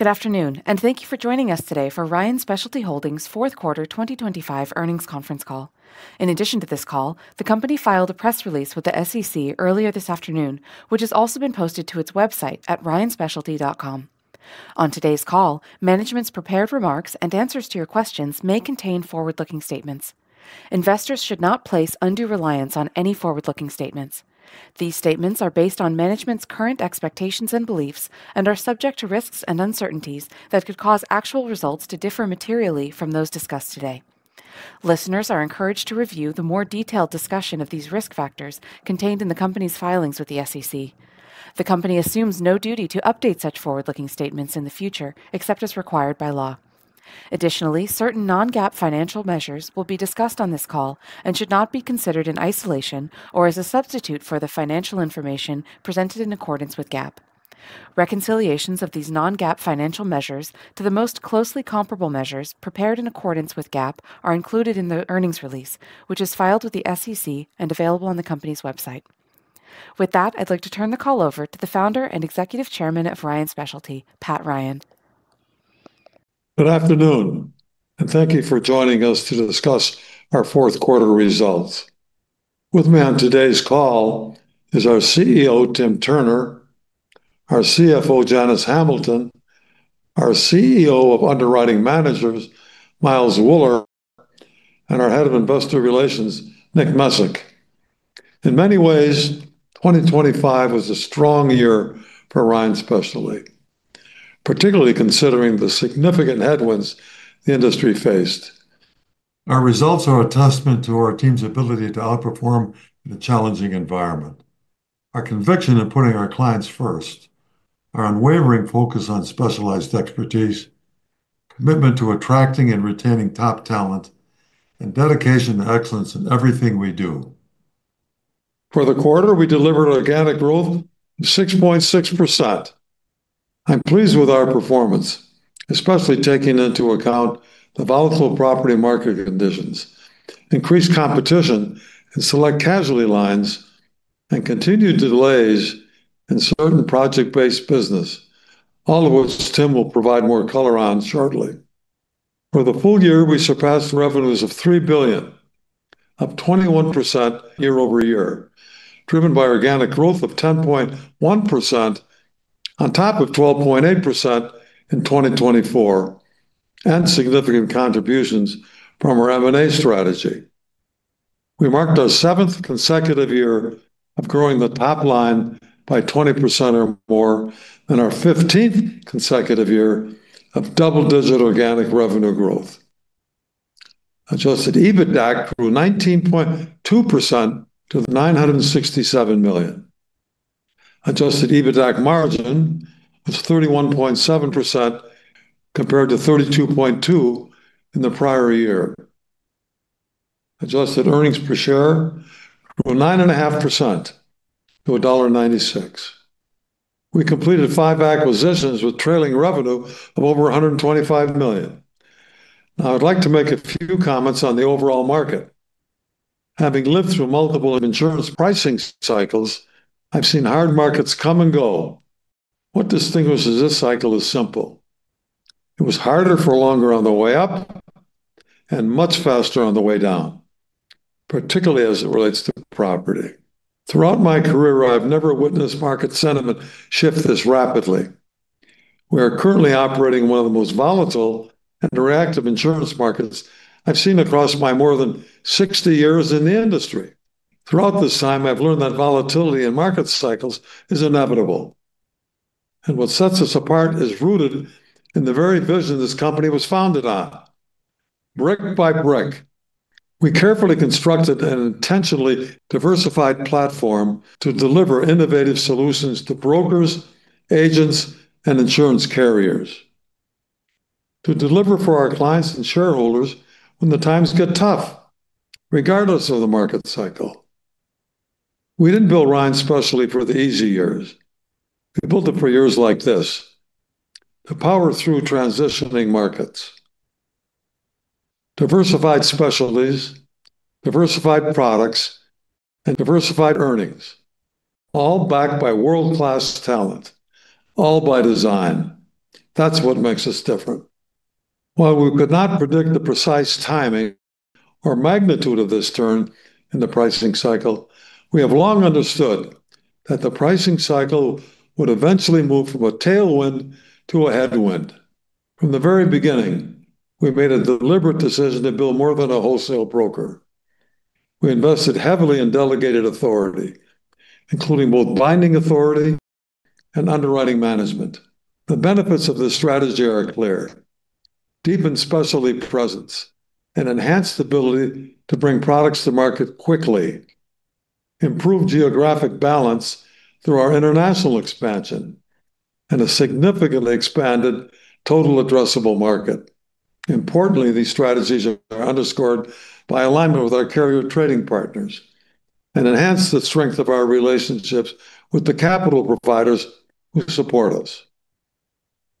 Good afternoon, and thank you for joining us today for Ryan Specialty Holdings' Fourth Quarter 2025 Earnings Conference Call. In addition to this call, the company filed a press release with the SEC earlier this afternoon, which has also been posted to its website at ryanspecialty.com. On today's call, management's prepared remarks and answers to your questions may contain forward-looking statements. Investors should not place undue reliance on any forward-looking statements. These statements are based on management's current expectations and beliefs and are subject to risks and uncertainties that could cause actual results to differ materially from those discussed today. Listeners are encouraged to review the more detailed discussion of these risk factors contained in the company's filings with the SEC. The company assumes no duty to update such forward-looking statements in the future, except as required by law. Additionally, certain non-GAAP financial measures will be discussed on this call and should not be considered in isolation or as a substitute for the financial information presented in accordance with GAAP. Reconciliations of these non-GAAP financial measures to the most closely comparable measures prepared in accordance with GAAP are included in the earnings release, which is filed with the SEC and available on the company's website. With that, I'd like to turn the call over to the Founder and Executive Chairman of Ryan Specialty, Pat Ryan. Good afternoon, and thank you for joining us to discuss our fourth quarter results. With me on today's call is our CEO, Tim Turner, our CFO, Janice Hamilton, our CEO of Underwriting Managers, Miles Wuller, and our Head of Investor Relations, Nick Mezick. In many ways, 2025 was a strong year for Ryan Specialty, particularly considering the significant headwinds the industry faced. Our results are a testament to our team's ability to outperform in a challenging environment. Our conviction in putting our clients first, our unwavering focus on specialized expertise, commitment to attracting and retaining top talent, and dedication to excellence in everything we do. For the quarter, we delivered organic growth of 6.6%. I'm pleased with our performance, especially taking into account the volatile property market conditions, increased competition in select casualty lines, and continued delays in certain project-based business, all of which Tim will provide more color on shortly. For the full year, we surpassed revenues of $3 billion, up 21% year-over-year, driven by organic growth of 10.1% on top of 12.8% in 2024, and significant contributions from our M&A strategy. We marked our seventh consecutive year of growing the top line by 20% or more and our fifteenth consecutive year of double-digit organic revenue growth. Adjusted EBITDA grew 19.2% to $967 million. Adjusted EBITDA margin was 31.7%, compared to 32.2% in the prior year. Adjusted earnings per share grew 9.5% to $1.96. We completed five acquisitions with trailing revenue of over $125 million. I would like to make a few comments on the overall market. Having lived through multiple insurance pricing cycles, I've seen hard markets come and go. What distinguishes this cycle is simple: It was harder for longer on the way up and much faster on the way down, particularly as it relates to property. Throughout my career, I've never witnessed market sentiment shift this rapidly. We are currently operating in one of the most volatile and reactive insurance markets I've seen across my more than 60 years in the industry. Throughout this time, I've learned that volatility in market cycles is inevitable, and what sets us apart is rooted in the very vision this company was founded on. Brick by brick, we carefully constructed an intentionally diversified platform to deliver innovative solutions to brokers, agents, and insurance carriers. To deliver for our clients and shareholders when the times get tough, regardless of the market cycle. We didn't build Ryan Specialty for the easy years. We built it for years like this, to power through transitioning markets, diversified specialties, diversified products, and diversified earnings, all backed by world-class talent, all by design. That's what makes us different. While we could not predict the precise timing or magnitude of this turn in the pricing cycle, we have long understood that the pricing cycle would eventually move from a tailwind to a headwind. From the very beginning, we made a deliberate decision to build more than a wholesale broker. We invested heavily in delegated authority, including both binding authority and underwriting management. The benefits of this strategy are clear: deepened specialty presence, an enhanced ability to bring products to market quickly, improved geographic balance through our international expansion, and a significantly expanded total addressable market. Importantly, these strategies are underscored by alignment with our carrier trading partners and enhance the strength of our relationships with the capital providers who support us.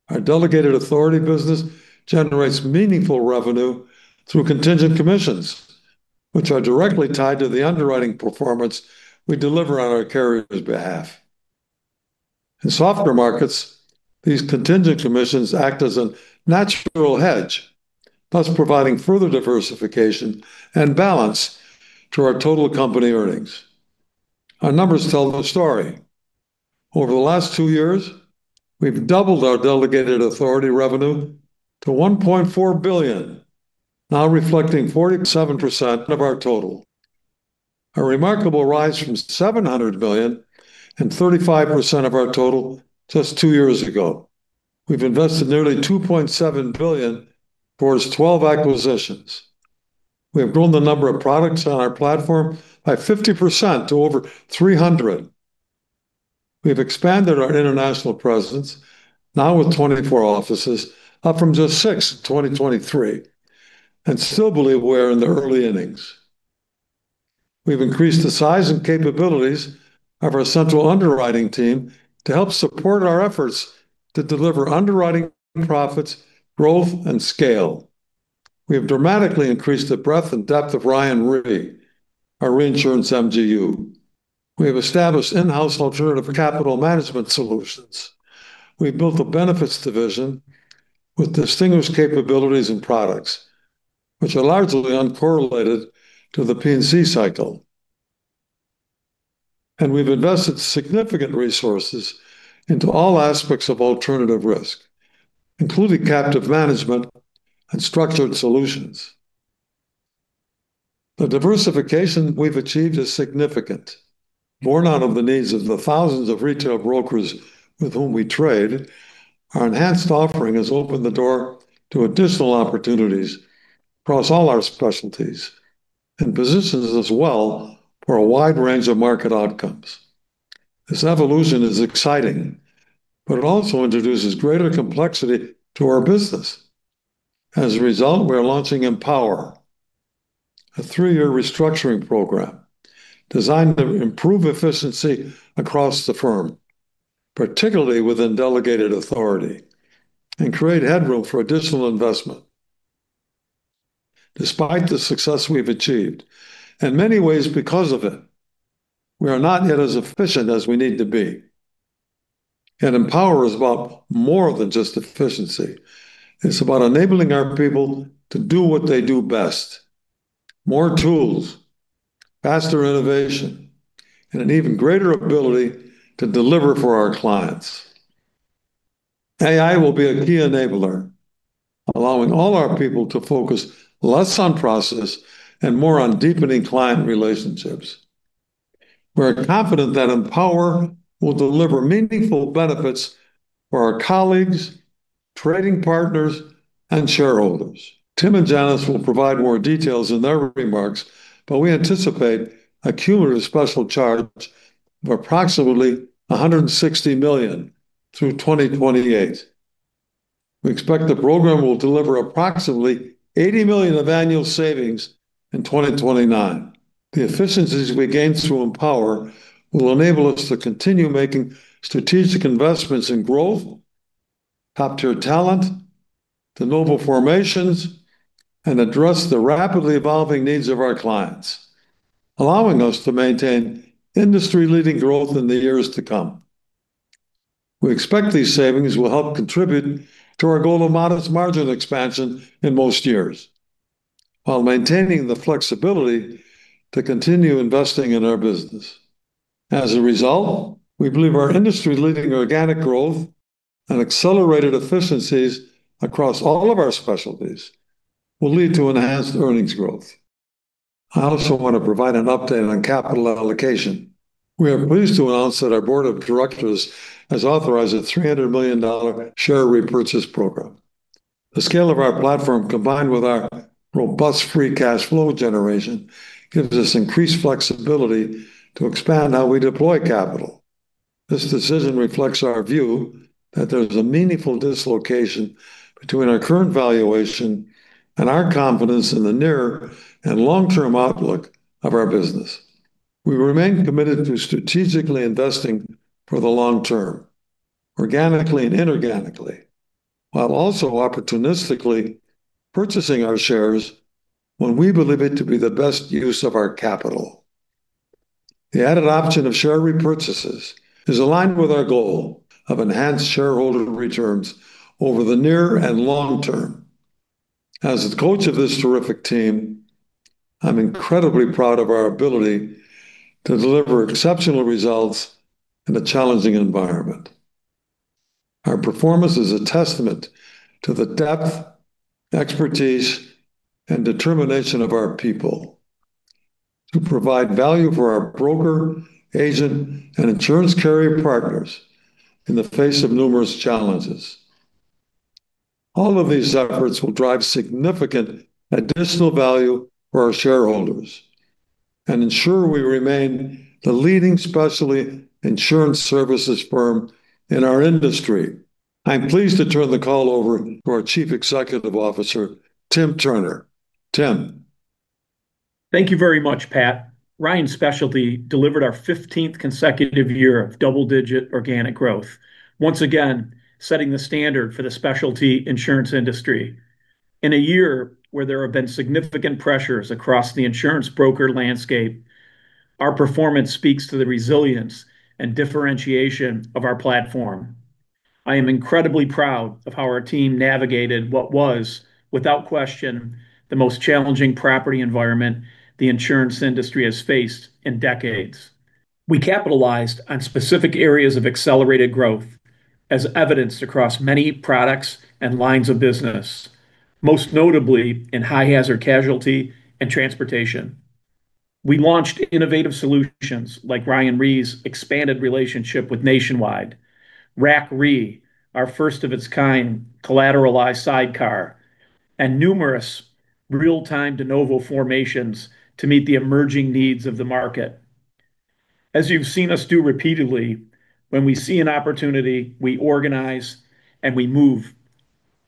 Our delegated authority business generates meaningful revenue through contingent commissions, which are directly tied to the underwriting performance we deliver on our carrier's behalf. In softer markets, these contingent commissions act as a natural hedge, thus providing further diversification and balance to our total company earnings. Our numbers tell the story. Over the last two years, we've doubled our delegated authority revenue to $1.4 billion, now reflecting 47% of our total. A remarkable rise from $700 million and 35% of our total just two years ago. We've invested nearly $2.7 billion toward 12 acquisitions. We have grown the number of products on our platform by 50% to over 300. We've expanded our international presence now with 24 offices, up from just six in 2023, and still believe we're in the early innings. We've increased the size and capabilities of our central underwriting team to help support our efforts to deliver underwriting profits, growth, and scale. We have dramatically increased the breadth and depth of Ryan Re, our reinsurance MGU. We have established in-house alternative capital management solutions. We've built a benefits division with distinguished capabilities and products, which are largely uncorrelated to the P&C cycle. And we've invested significant resources into all aspects of alternative risk, including captive management and structured solutions. The diversification we've achieved is significant. Born out of the needs of the thousands of retail brokers with whom we trade, our enhanced offering has opened the door to additional opportunities across all our specialties and positions as well for a wide range of market outcomes. This evolution is exciting, but it also introduces greater complexity to our business. As a result, we are launching Empower, a three-year restructuring program designed to improve efficiency across the firm, particularly within delegated authority, and create headroom for additional investment. Despite the success we've achieved, in many ways, because of it, we are not yet as efficient as we need to be. And Empower is about more than just efficiency. It's about enabling our people to do what they do best. More tools, faster innovation, and an even greater ability to deliver for our clients. AI will be a key enabler, allowing all our people to focus less on process and more on deepening client relationships. We're confident that Empower will deliver meaningful benefits for our colleagues, trading partners, and shareholders. Tim and Janice will provide more details in their remarks, but we anticipate a cumulative special charge of approximately $160 million through 2028. We expect the program will deliver approximately $80 million of annual savings in 2029. The efficiencies we gain through Empower will enable us to continue making strategic investments in growth, top-tier talent de novo formations, and address the rapidly evolving needs of our clients, allowing us to maintain industry-leading growth in the years to come. We expect these savings will help contribute to our goal of modest margin expansion in most years, while maintaining the flexibility to continue investing in our business. As a result, we believe our industry-leading organic growth and accelerated efficiencies across all of our specialties will lead to enhanced earnings growth. I also want to provide an update on capital allocation. We are pleased to announce that our board of directors has authorized a $300 million share repurchase program. The scale of our platform, combined with our robust free cash flow generation, gives us increased flexibility to expand how we deploy capital. This decision reflects our view that there's a meaningful dislocation between our current valuation and our confidence in the near and long-term outlook of our business. We remain committed to strategically investing for the long term, organically and inorganically, while also opportunistically purchasing our shares when we believe it to be the best use of our capital. The added option of share repurchases is aligned with our goal of enhanced shareholder returns over the near and long term. As the coach of this terrific team, I'm incredibly proud of our ability to deliver exceptional results in a challenging environment. Our performance is a testament to the depth, expertise, and determination of our people to provide value for our broker, agent, and insurance carrier partners in the face of numerous challenges. All of these efforts will drive significant additional value for our shareholders and ensure we remain the leading specialty insurance services firm in our industry. I'm pleased to turn the call over to our Chief Executive Officer, Tim Turner. Tim? Thank you very much, Pat. Ryan Specialty delivered our fifteenth consecutive year of double-digit organic growth, once again setting the standard for the specialty insurance industry. In a year where there have been significant pressures across the insurance broker landscape, our performance speaks to the resilience and differentiation of our platform. I am incredibly proud of how our team navigated what was, without question, the most challenging property environment the insurance industry has faced in decades. We capitalized on specific areas of accelerated growth, as evidenced across many products and lines of business, most notably in high hazard casualty and transportation. We launched innovative solutions like Ryan Re's expanded relationship with Nationwide, RAC Re, our first of its kind collateralized sidecar, and numerous real-time de novo formations to meet the emerging needs of the market. As you've seen us do repeatedly, when we see an opportunity, we organize and we move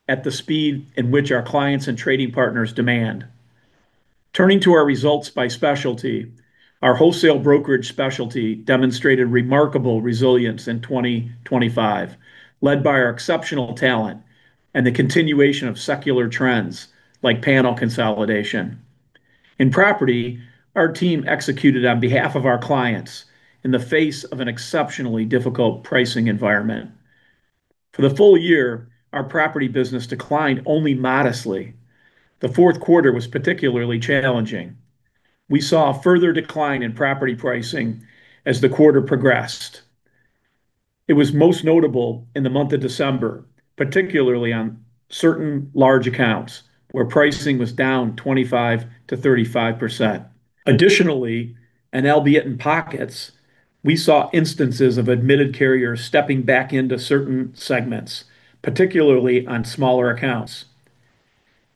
at the speed in which our clients and trading partners demand. Turning to our results by specialty, our wholesale brokerage specialty demonstrated remarkable resilience in 2025, led by our exceptional talent and the continuation of secular trends like panel consolidation. In property, our team executed on behalf of our clients in the face of an exceptionally difficult pricing environment. For the full year, our property business declined only modestly. The fourth quarter was particularly challenging. We saw a further decline in property pricing as the quarter progressed. It was most notable in the month of December, particularly on certain large accounts, where pricing was down 25%-35%. Additionally, and albeit in pockets, we saw instances of admitted carriers stepping back into certain segments, particularly on smaller accounts.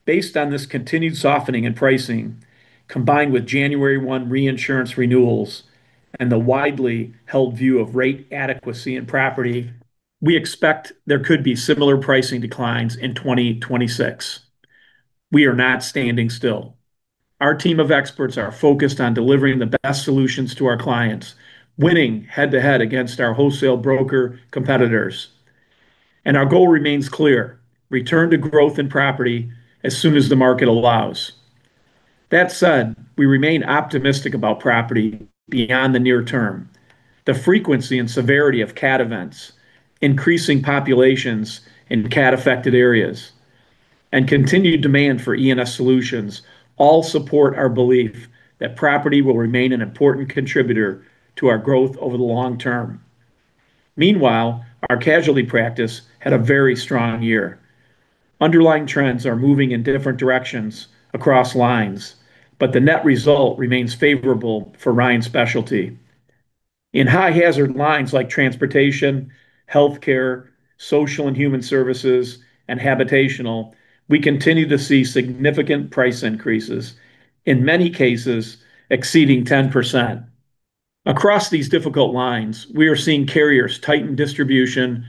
Based on this continued softening in pricing, combined with January 1 reinsurance renewals and the widely held view of rate adequacy in property, we expect there could be similar pricing declines in 2026. We are not standing still. Our team of experts are focused on delivering the best solutions to our clients, winning head-to-head against our wholesale broker competitors, and our goal remains clear: return to growth in property as soon as the market allows. That said, we remain optimistic about property beyond the near term. The frequency and severity of cat events, increasing populations in cat-affected areas, and continued demand for E&S solutions all support our belief that property will remain an important contributor to our growth over the long term. Meanwhile, our casualty practice had a very strong year. Underlying trends are moving in different directions across lines, but the net result remains favorable for Ryan Specialty. In high-hazard lines like transportation, healthcare, social and human services, and habitational, we continue to see significant price increases, in many cases exceeding 10%. Across these difficult lines, we are seeing carriers tighten distribution,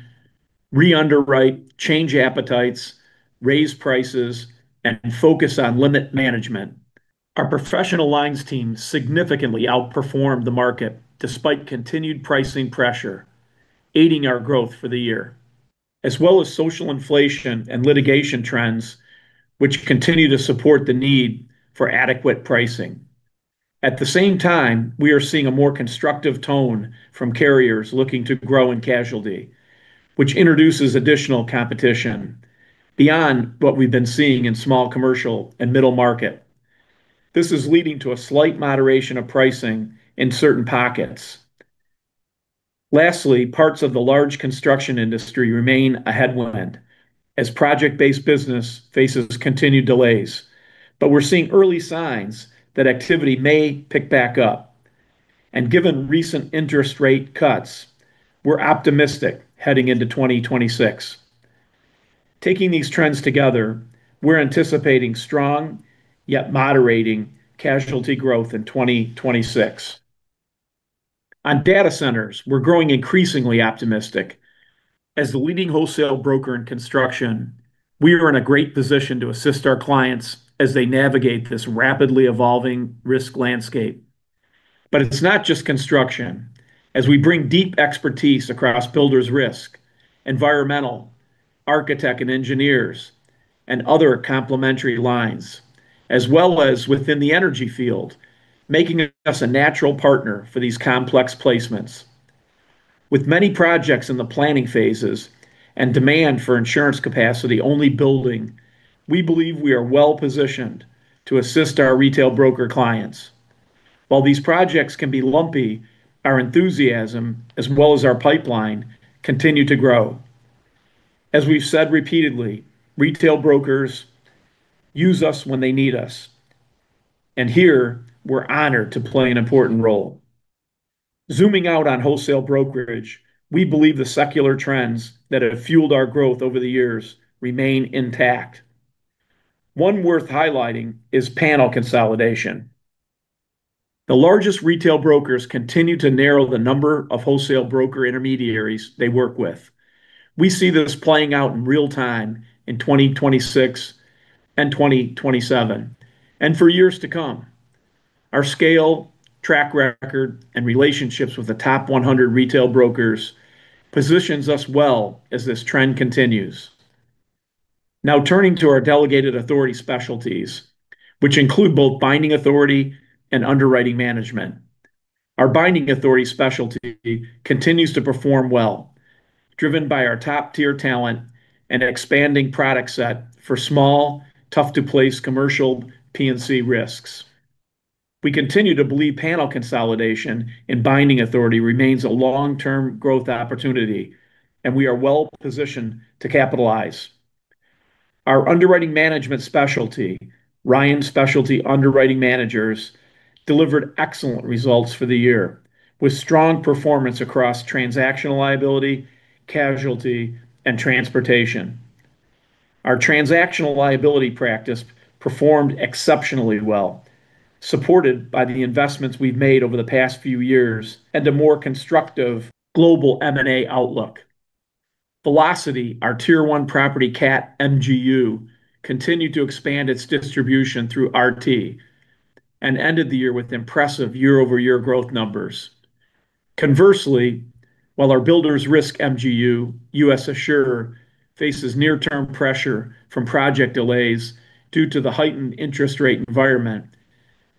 re-underwrite, change appetites, raise prices, and focus on limit management. Our professional lines team significantly outperformed the market despite continued pricing pressure, aiding our growth for the year, as well as social inflation and litigation trends, which continue to support the need for adequate pricing. At the same time, we are seeing a more constructive tone from carriers looking to grow in casualty, which introduces additional competition beyond what we've been seeing in small, commercial, and middle market. This is leading to a slight moderation of pricing in certain pockets. Lastly, parts of the large construction industry remain a headwind as project-based business faces continued delays. But we're seeing early signs that activity may pick back up, and given recent interest rate cuts, we're optimistic heading into 2026. Taking these trends together, we're anticipating strong, yet moderating, casualty growth in 2026. On data centers, we're growing increasingly optimistic. As the leading wholesale broker in construction, we are in a great position to assist our clients as they navigate this rapidly evolving risk landscape. But it's not just construction, as we bring deep expertise across builder's risk, environmental, architects and engineers, and other complementary lines, as well as within the energy field, making us a natural partner for these complex placements. With many projects in the planning phases and demand for insurance capacity only building, we believe we are well-positioned to assist our retail broker clients. While these projects can be lumpy, our enthusiasm, as well as our pipeline, continue to grow. As we've said repeatedly, retail brokers use us when they need us, and here we're honored to play an important role. Zooming out on wholesale brokerage, we believe the secular trends that have fueled our growth over the years remain intact. One worth highlighting is panel consolidation. The largest retail brokers continue to narrow the number of wholesale broker intermediaries they work with. We see this playing out in real time in 2026 and 2027, and for years to come. Our scale, track record, and relationships with the top 100 retail brokers positions us well as this trend continues. Now, turning to our delegated authority specialties, which include both binding authority and underwriting management. Our binding authority specialty continues to perform well, driven by our top-tier talent and expanding product set for small, tough-to-place commercial P&C risks. We continue to believe panel consolidation and binding authority remains a long-term growth opportunity, and we are well-positioned to capitalize. Our underwriting management specialty, Ryan Specialty Underwriting Managers, delivered excellent results for the year, with strong performance across transactional liability, casualty, and transportation. Our transactional liability practice performed exceptionally well, supported by the investments we've made over the past few years and a more constructive global M&A outlook. Velocity, our Tier One property cat MGU, continued to expand its distribution through RT and ended the year with impressive year-over-year growth numbers. Conversely, while our builder's risk MGU, US Assure, faces near-term pressure from project delays due to the heightened interest rate environment,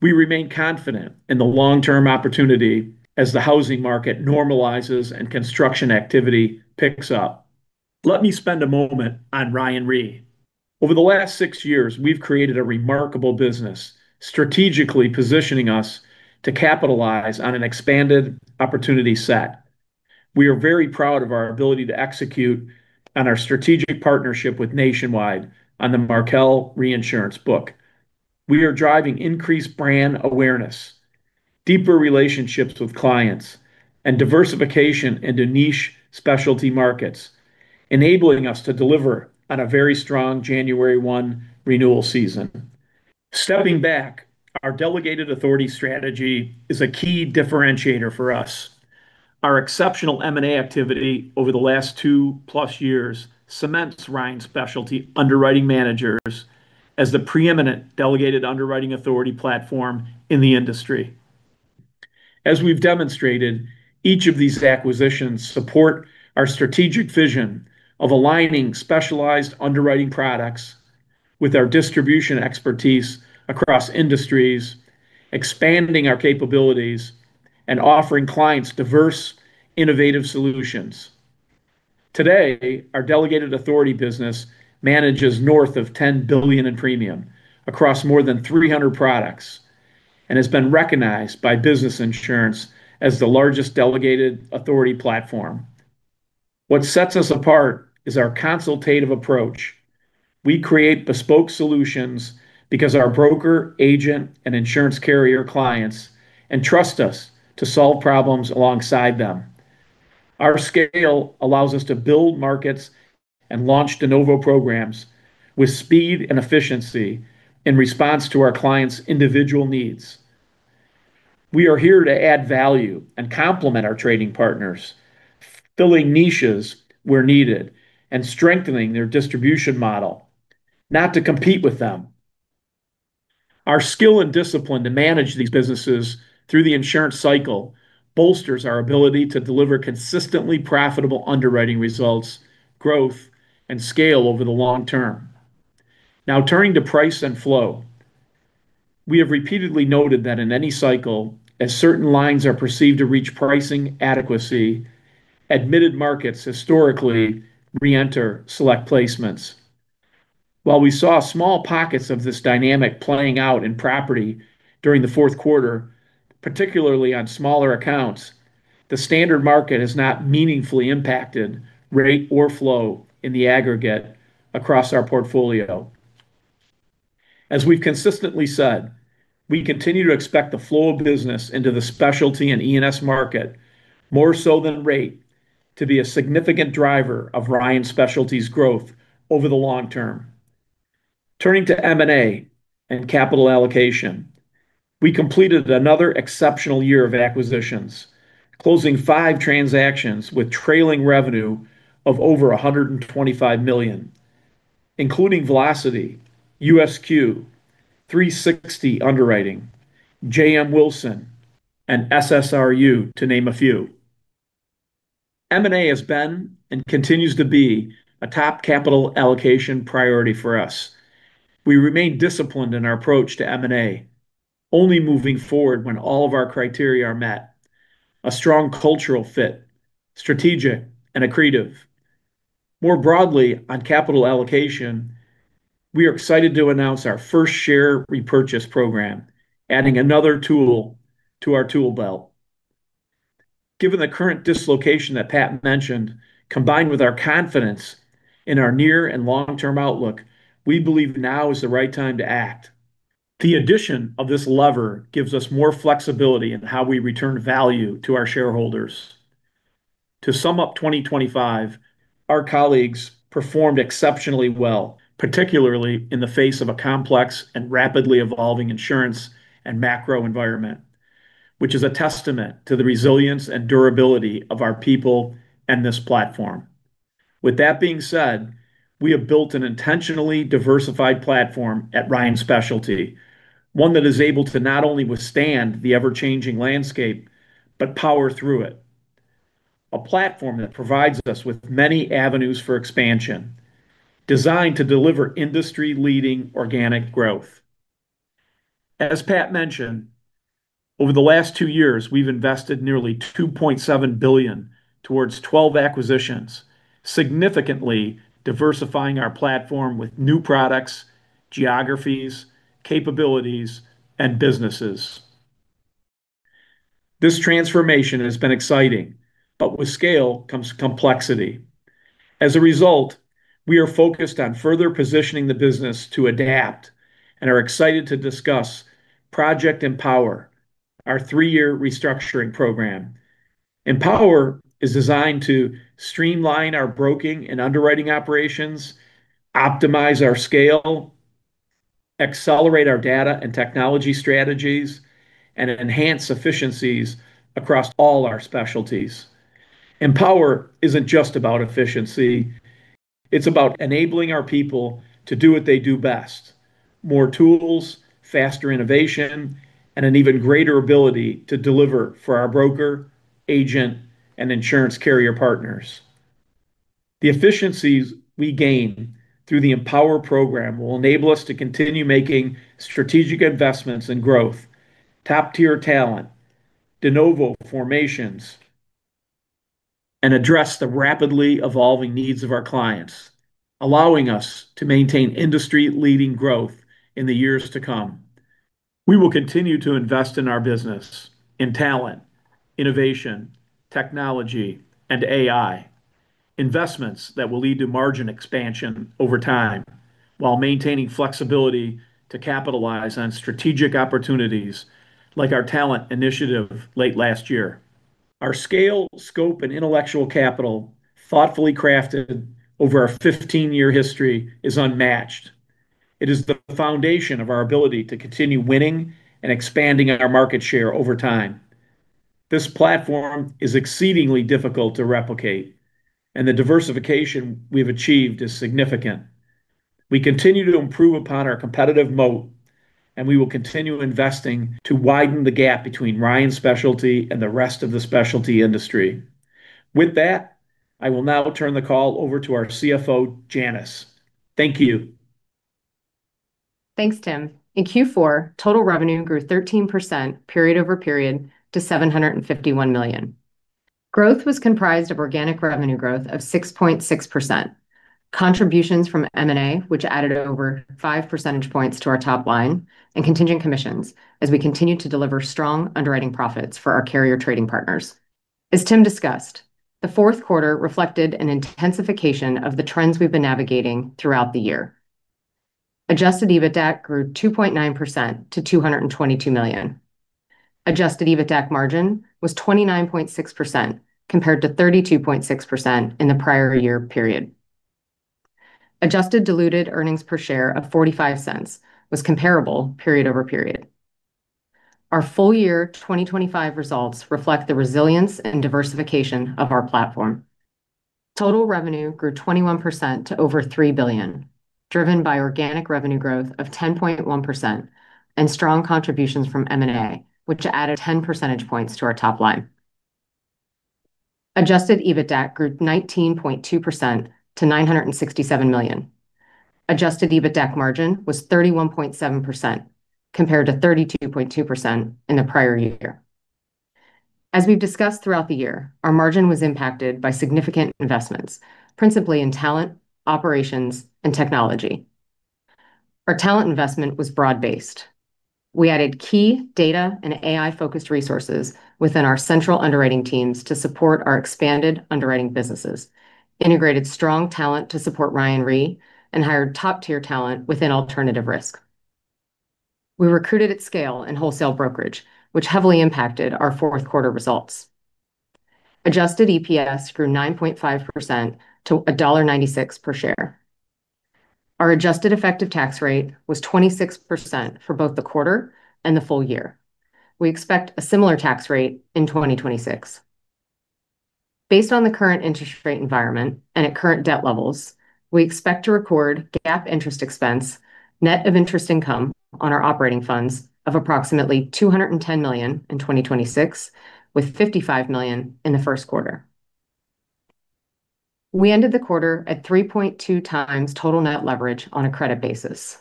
we remain confident in the long-term opportunity as the housing market normalizes and construction activity picks up. Let me spend a moment on Ryan Re. Over the last six years, we've created a remarkable business, strategically positioning us to capitalize on an expanded opportunity set. We are very proud of our ability to execute on our strategic partnership with Nationwide on the Markel reinsurance book. We are driving increased brand awareness, deeper relationships with clients, and diversification into niche specialty markets, enabling us to deliver on a very strong January 1 renewal season. Stepping back, our delegated authority strategy is a key differentiator for us. Our exceptional M&A activity over the last two-plus years cements Ryan Specialty Underwriting Managers as the preeminent delegated underwriting authority platform in the industry. As we've demonstrated, each of these acquisitions support our strategic vision of aligning specialized underwriting products with our distribution expertise across industries, expanding our capabilities, and offering clients diverse, innovative solutions. Today, our delegated authority business manages north of $10 billion in premium across more than 300 products and has been recognized by Business Insurance as the largest delegated authority platform. What sets us apart is our consultative approach. We create bespoke solutions because our broker, agent, and insurance carrier clients trust us to solve problems alongside them. Our scale allows us to build markets and launch de novo programs with speed and efficiency in response to our clients' individual needs. We are here to add value and complement our trading partners, filling niches where needed and strengthening their distribution model, not to compete with them. Our skill and discipline to manage these businesses through the insurance cycle bolsters our ability to deliver consistently profitable underwriting results, growth, and scale over the long term. Now, turning to price and flow. We have repeatedly noted that in any cycle, as certain lines are perceived to reach pricing adequacy, admitted markets historically reenter select placements. While we saw small pockets of this dynamic playing out in property during the fourth quarter, particularly on smaller accounts, the standard market has not meaningfully impacted rate or flow in the aggregate across our portfolio. As we've consistently said, we continue to expect the flow of business into the specialty and E&S market, more so than rate, to be a significant driver of Ryan Specialty's growth over the long term. Turning to M&A and capital allocation, we completed another exceptional year of acquisitions, closing five transactions with trailing revenue of over $125 million, including Velocity, USQ, 360 Underwriting, JM Wilson, and SSRU, to name a few. M&A has been and continues to be a top capital allocation priority for us. We remain disciplined in our approach to M&A, only moving forward when all of our criteria are met: a strong cultural fit, strategic, and accretive. More broadly, on capital allocation, we are excited to announce our first share repurchase program, adding another tool to our tool belt. Given the current dislocation that Pat mentioned, combined with our confidence in our near and long-term outlook, we believe now is the right time to act. The addition of this lever gives us more flexibility in how we return value to our shareholders. To sum up, 2025, our colleagues performed exceptionally well, particularly in the face of a complex and rapidly evolving insurance and macro environment, which is a testament to the resilience and durability of our people and this platform. With that being said, we have built an intentionally diversified platform at Ryan Specialty. One that is able to not only withstand the ever-changing landscape, but power through it. A platform that provides us with many avenues for expansion, designed to deliver industry-leading organic growth. As Pat mentioned, over the last two years, we've invested nearly $2.7 billion towards 12 acquisitions, significantly diversifying our platform with new products, geographies, capabilities, and businesses. This transformation has been exciting, but with scale comes complexity. As a result, we are focused on further positioning the business to adapt, and are excited to discuss Project Empower, our three-year restructuring program. Empower is designed to streamline our broking and underwriting operations, optimize our scale, accelerate our data and technology strategies, and enhance efficiencies across all our specialties. Empower isn't just about efficiency, it's about enabling our people to do what they do best. More tools, faster innovation, and an even greater ability to deliver for our broker, agent, and insurance carrier partners. The efficiencies we gain through the Empower program will enable us to continue making strategic investments in growth, top-tier talent, de novo formations, and address the rapidly evolving needs of our clients, allowing us to maintain industry-leading growth in the years to come. We will continue to invest in our business, in talent, innovation, technology, and AI. Investments that will lead to margin expansion over time, while maintaining flexibility to capitalize on strategic opportunities like our talent initiative late last year. Our scale, scope, and intellectual capital, thoughtfully crafted over our 15-year history, is unmatched. It is the foundation of our ability to continue winning and expanding our market share over time. This platform is exceedingly difficult to replicate, and the diversification we've achieved is significant. We continue to improve upon our competitive moat, and we will continue investing to widen the gap between Ryan Specialty and the rest of the specialty industry. With that, I will now turn the call over to our CFO, Janice. Thank you. Thanks, Tim. In Q4, total revenue grew 13% period-over-period to $751 million. Growth was comprised of organic revenue growth of 6.6%. Contributions from M&A, which added over five percentage points to our top line, and contingent commissions, as we continued to deliver strong underwriting profits for our carrier trading partners. As Tim discussed, the fourth quarter reflected an intensification of the trends we've been navigating throughout the year. Adjusted EBITDA grew 2.9% to $222 million. Adjusted EBITDA margin was 29.6%, compared to 32.6% in the prior year period. Adjusted diluted earnings per share of $0.45 was comparable period over period. Our full year 2025 results reflect the resilience and diversification of our platform. Total revenue grew 21% to over $3 billion, driven by organic revenue growth of 10.1% and strong contributions from M&A, which added 10 percentage points to our top line. Adjusted EBITDA grew 19.2% to $967 million. Adjusted EBITDA margin was 31.7%, compared to 32.2% in the prior year. As we've discussed throughout the year, our margin was impacted by significant investments, principally in talent, operations, and technology. Our talent investment was broad-based. We added key data and AI-focused resources within our central underwriting teams to support our expanded underwriting businesses, integrated strong talent to support Ryan Re, and hired top-tier talent within alternative risk. We recruited at scale in wholesale brokerage, which heavily impacted our fourth quarter results. Adjusted EPS grew 9.5% to $1.96 per share. Our adjusted effective tax rate was 26% for both the quarter and the full year. We expect a similar tax rate in 2026. Based on the current interest rate environment and at current debt levels, we expect to record GAAP interest expense, net of interest income on our operating funds of approximately $210 million in 2026, with $55 million in the first quarter. We ended the quarter at 3.2 times total net leverage on a credit basis.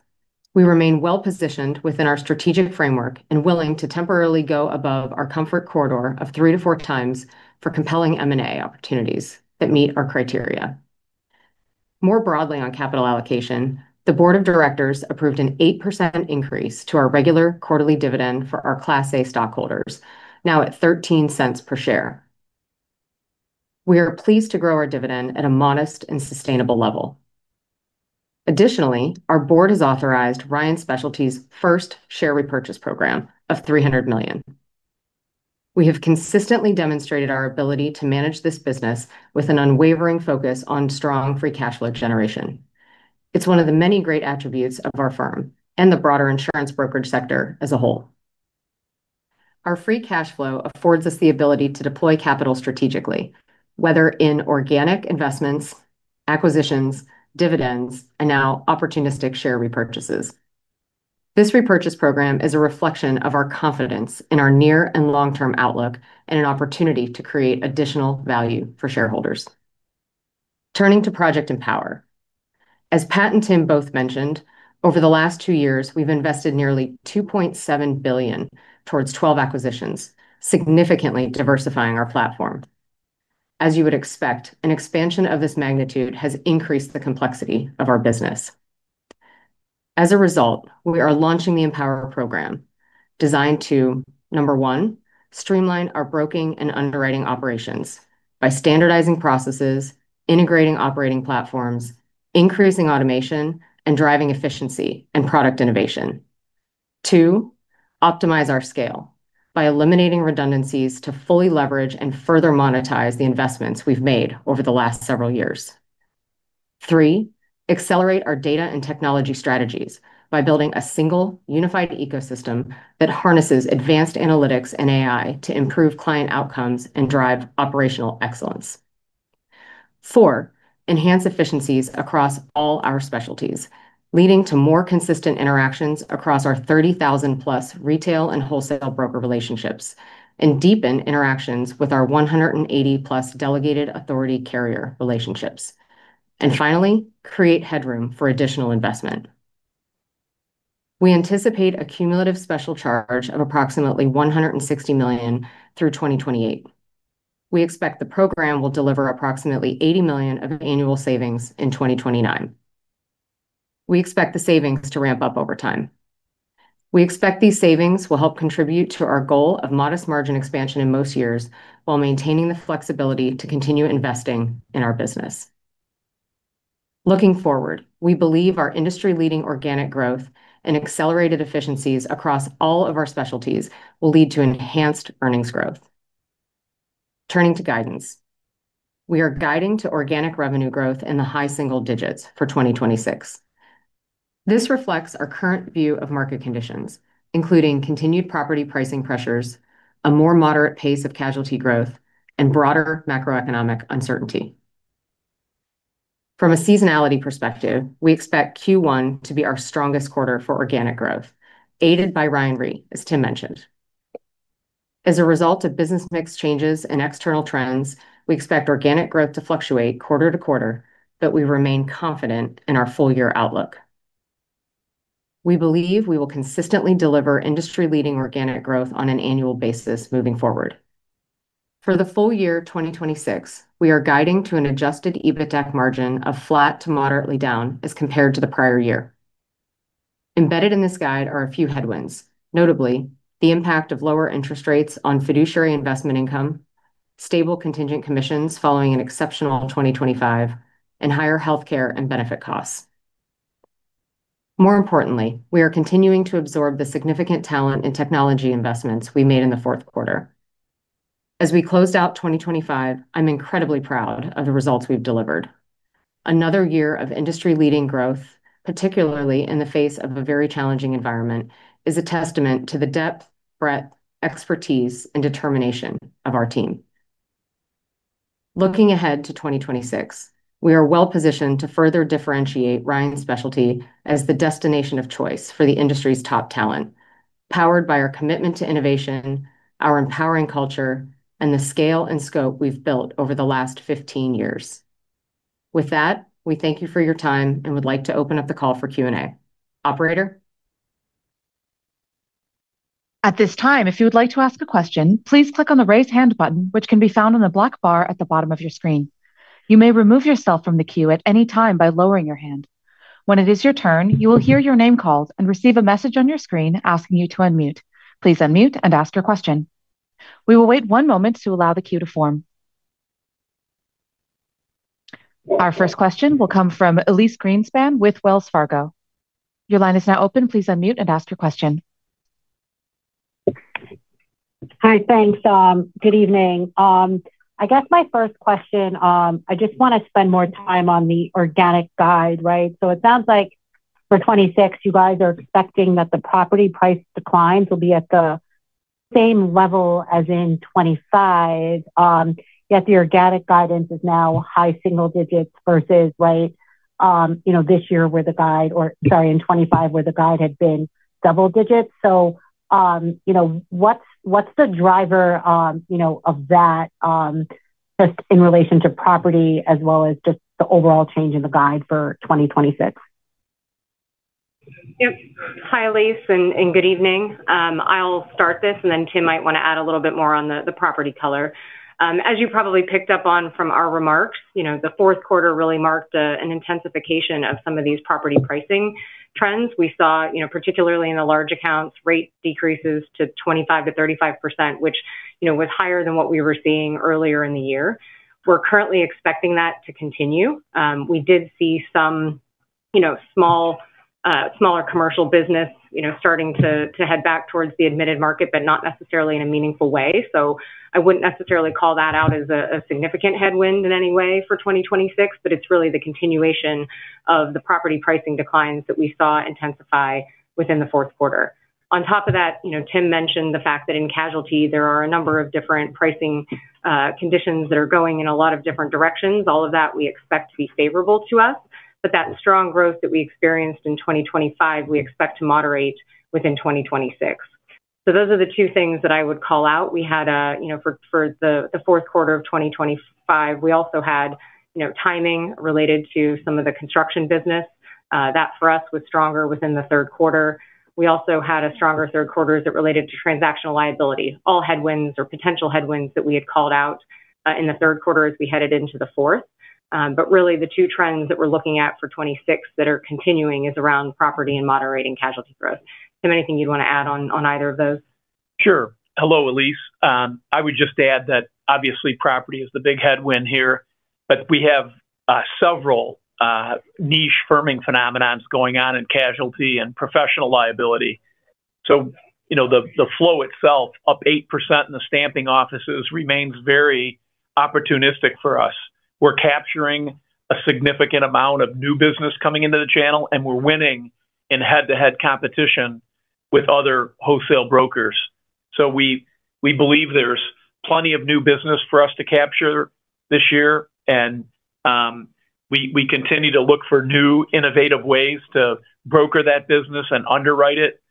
We remain well-positioned within our strategic framework and willing to temporarily go above our comfort corridor of three to four times for compelling M&A opportunities that meet our criteria. More broadly on capital allocation, the board of directors approved an 8% increase to our regular quarterly dividend for our Class A stockholders, now at $0.13 per share. We are pleased to grow our dividend at a modest and sustainable level. Additionally, our board has authorized Ryan Specialty's first share repurchase program of $300 million. We have consistently demonstrated our ability to manage this business with an unwavering focus on strong free cash flow generation. It's one of the many great attributes of our firm and the broader insurance brokerage sector as a whole. Our free cash flow affords us the ability to deploy capital strategically, whether in organic investments, acquisitions, dividends, and now opportunistic share repurchases. This repurchase program is a reflection of our confidence in our near and long-term outlook, and an opportunity to create additional value for shareholders. Turning to Project Empower. As Pat and Tim both mentioned, over the last two years, we've invested nearly $2.7 billion towards 12 acquisitions, significantly diversifying our platform. As you would expect, an expansion of this magnitude has increased the complexity of our business. As a result, we are launching the Empower program, designed to, one, streamline our broking and underwriting operations by standardizing processes, integrating operating platforms, increasing automation, and driving efficiency and product innovation. two, optimize our scale by eliminating redundancies to fully leverage and further monetize the investments we've made over the last several years. three, accelerate our data and technology strategies by building a single, unified ecosystem that harnesses advanced analytics and AI to improve client outcomes and drive operational excellence. four, enhance efficiencies across all our specialties, leading to more consistent interactions across our 30,000+ retail and wholesale broker relationships, and deepen interactions with our 180+ delegated authority carrier relationships. And finally, create headroom for additional investment. We anticipate a cumulative special charge of approximately $160 million through 2028. We expect the program will deliver approximately $80 million of annual savings in 2029. We expect the savings to ramp up over time. We expect these savings will help contribute to our goal of modest margin expansion in most years, while maintaining the flexibility to continue investing in our business. Looking forward, we believe our industry-leading organic growth and accelerated efficiencies across all of our specialties will lead to enhanced earnings growth. Turning to guidance. We are guiding to organic revenue growth in the high single digits for 2026. This reflects our current view of market conditions, including continued property pricing pressures, a more moderate pace of casualty growth, and broader macroeconomic uncertainty. From a seasonality perspective, we expect Q1 to be our strongest quarter for organic growth, aided by Ryan Re, as Tim mentioned. As a result of business mix changes and external trends, we expect organic growth to fluctuate quarter to quarter, but we remain confident in our full-year outlook. We believe we will consistently deliver industry-leading organic growth on an annual basis moving forward. For the full year 2026, we are guiding to an Adjusted EBITDA margin of flat to moderately down as compared to the prior year. Embedded in this guide are a few headwinds, notably the impact of lower interest rates on fiduciary investment income, stable contingent commissions following an exceptional 2025, and higher healthcare and benefit costs. More importantly, we are continuing to absorb the significant talent and technology investments we made in the fourth quarter. As we closed out 2025, I'm incredibly proud of the results we've delivered. Another year of industry-leading growth, particularly in the face of a very challenging environment, is a testament to the depth, breadth, expertise, and determination of our team. Looking ahead to 2026, we are well positioned to further differentiate Ryan Specialty as the destination of choice for the industry's top talent, powered by our commitment to innovation, our empowering culture, and the scale and scope we've built over the last 15 years. With that, we thank you for your time and would like to open up the call for Q&A. Operator? At this time, if you would like to ask a question, please click on the Raise Hand button, which can be found on the black bar at the bottom of your screen. You may remove yourself from the queue at any time by lowering your hand. When it is your turn, you will hear your name called and receive a message on your screen asking you to unmute. Please unmute and ask your question. We will wait one moment to allow the queue to form. Our first question will come from Elyse Greenspan with Wells Fargo. Your line is now open. Please unmute and ask your question. Hi, thanks. Good evening. I guess my first question, I just want to spend more time on the organic guide, right? So it sounds like for 2026, you guys are expecting that the property price declines will be at the same level as in 2025. Yet the organic guidance is now high single digits versus, right, you know, this year where the guide or, sorry, in 2025, where the guide had been double digits. So, you know, what's the driver, you know, of that, just in relation to property as well as just the overall change in the guide for 2026? Yep. Hi, Elyse, and good evening. I'll start this, and then Tim might want to add a little bit more on the property color. As you probably picked up on from our remarks, you know, the fourth quarter really marked an intensification of some of these property pricing trends. We saw, you know, particularly in the large accounts, rate decreases to 25%-35%, which, you know, was higher than what we were seeing earlier in the year. We're currently expecting that to continue. We did see some you know, small, smaller commercial business, you know, starting to head back towards the admitted market, but not necessarily in a meaningful way. So I wouldn't necessarily call that out as a significant headwind in any way for 2026, but it's really the continuation of the property pricing declines that we saw intensify within the fourth quarter. On top of that, you know, Tim mentioned the fact that in casualty, there are a number of different pricing conditions that are going in a lot of different directions. All of that we expect to be favorable to us. But that strong growth that we experienced in 2025, we expect to moderate within 2026. So those are the two things that I would call out. We had, you know, for the fourth quarter of 2025, we also had, you know, timing related to some of the construction business that for us was stronger within the third quarter. We also had a stronger third quarter as it related to transactional liability. All headwinds or potential headwinds that we had called out in the third quarter as we headed into the fourth. But really, the two trends that we're looking at for 2026 that are continuing is around property and moderating casualty growth. Tim, anything you'd want to add on either of those? Sure. Hello, Elyse. I would just add that obviously, property is the big headwind here, but we have several niche firming phenomenons going on in casualty and professional liability. So, you know, the flow itself, up 8% in the stamping offices, remains very opportunistic for us. We're capturing a significant amount of new business coming into the channel, and we're winning in head-to-head competition with other wholesale brokers. So we believe there's plenty of new business for us to capture this year, and we continue to look for new, innovative ways to broker that business and underwrite it.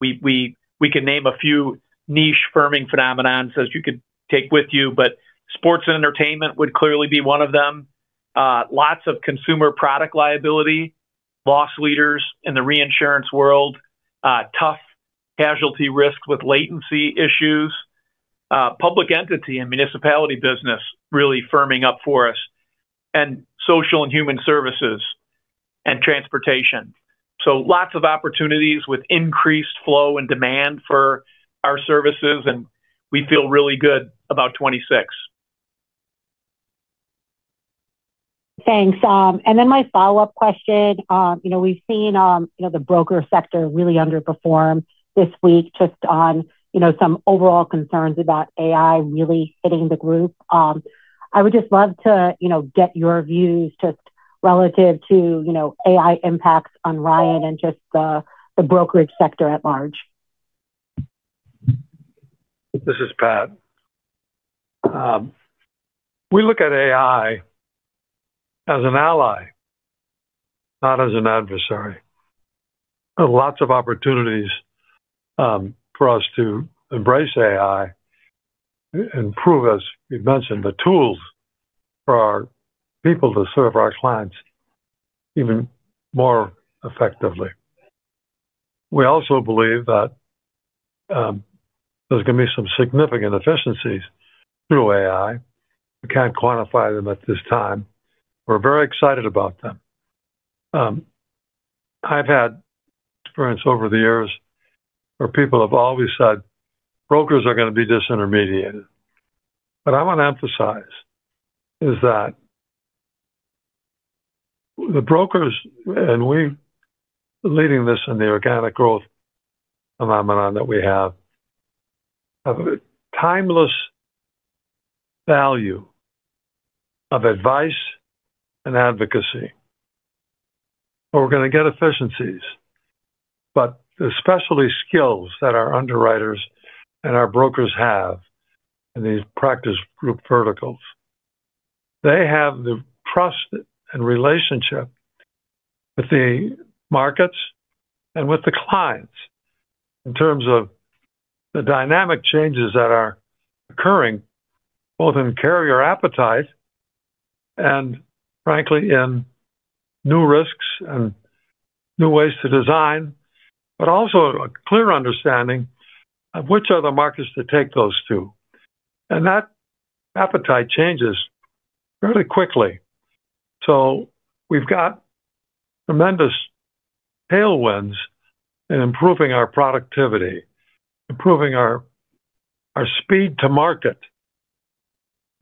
We can name a few niche firming phenomenons as you could take with you, but sports and entertainment would clearly be one of them. Lots of consumer product liability, loss leaders in the reinsurance world, tough casualty risks with latency issues, public entity and municipality business really firming up for us, and social and human services, and transportation. So lots of opportunities with increased flow and demand for our services, and we feel really good about 2026. Thanks. And then my follow-up question, you know, we've seen, you know, the broker sector really underperform this week just on, you know, some overall concerns about AI really hitting the group. I would just love to, you know, get your views just relative to, you know, AI impacts on Ryan and just the brokerage sector at large. This is Pat. We look at AI as an ally, not as an adversary. There are lots of opportunities for us to embrace AI and improve, as you mentioned, the tools for our people to serve our clients even more effectively. We also believe that there's going to be some significant efficiencies through AI. We can't quantify them at this time. We're very excited about them. I've had experience over the years where people have always said, "Brokers are going to be disintermediated." But I want to emphasize is that the brokers, and we're leading this in the Organic Growth phenomenon that we have, have a timeless value of advice and advocacy, but we're going to get efficiencies. But the specialty skills that our underwriters and our brokers have in these practice group verticals, they have the trust and relationship with the markets and with the clients in terms of the dynamic changes that are occurring, both in carrier appetite and frankly, in new risks and new ways to design, but also a clear understanding of which are the markets to take those to. That appetite changes really quickly. So we've got tremendous tailwinds in improving our productivity, improving our speed to market.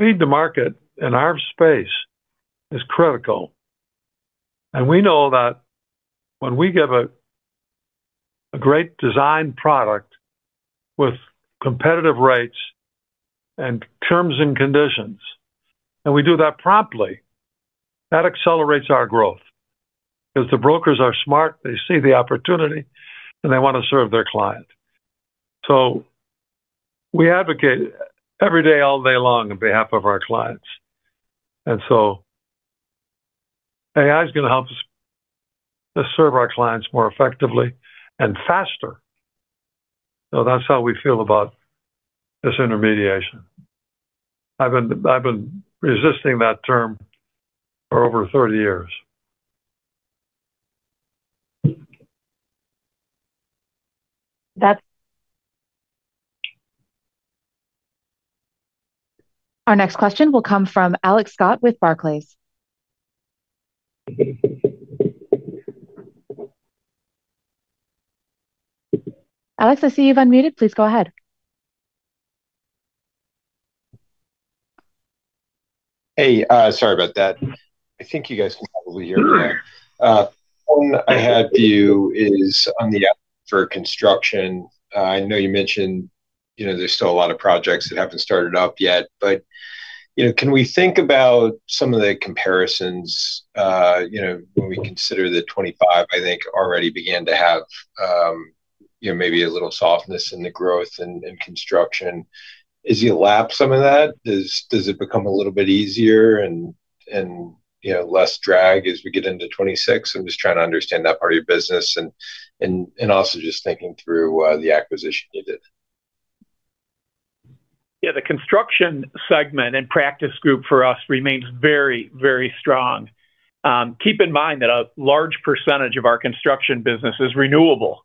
Speed to market in our space is critical, and we know that when we give a great designed product with competitive rates and terms and conditions, and we do that promptly, that accelerates our growth. Because the brokers are smart, they see the opportunity, and they want to serve their client. We advocate every day, all day long, on behalf of our clients. So AI is going to help us to serve our clients more effectively and faster. That's how we feel about this intermediation. I've been resisting that term for over 30 years. That's- Our next question will come from Alex Scott with Barclays.Alex. I see you've unmuted. Please go ahead. Hey, sorry about that. I think you guys can probably hear me. What I had to you is on the appetite for construction. I know you mentioned, you know, there's still a lot of projects that haven't started up yet. But, you know, can we think about some of the comparisons, you know, when we consider that 2025, I think, already began to have, you know, maybe a little softness in the growth and, and construction? As you lap some of that, does it become a little bit easier and, you know, less drag as we get into 2026? I'm just trying to understand that part of your business and also just thinking through, the acquisition you did. Yeah, the construction segment and practice group for us remains very, very strong. Keep in mind that a large percentage of our construction business is renewable.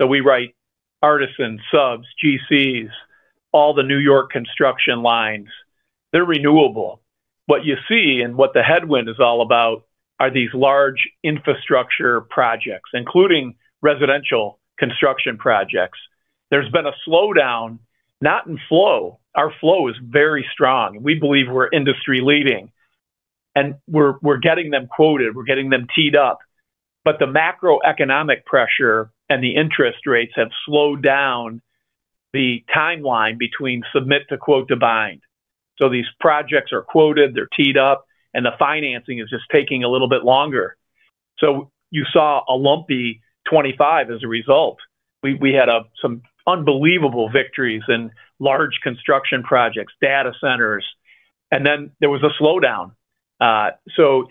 So we write artisans, subs, GCs, all the New York construction lines, they're renewable. What you see and what the headwind is all about are these large infrastructure projects, including residential construction projects. There's been a slowdown, not in flow. Our flow is very strong. We believe we're industry-leading, and we're getting them quoted, we're getting them teed up. But the macroeconomic pressure and the interest rates have slowed down the timeline between submit to quote to bind. So these projects are quoted, they're teed up, and the financing is just taking a little bit longer. So you saw a lumpy 2025 as a result. We had some unbelievable victories in large construction projects, data centers, and then there was a slowdown. So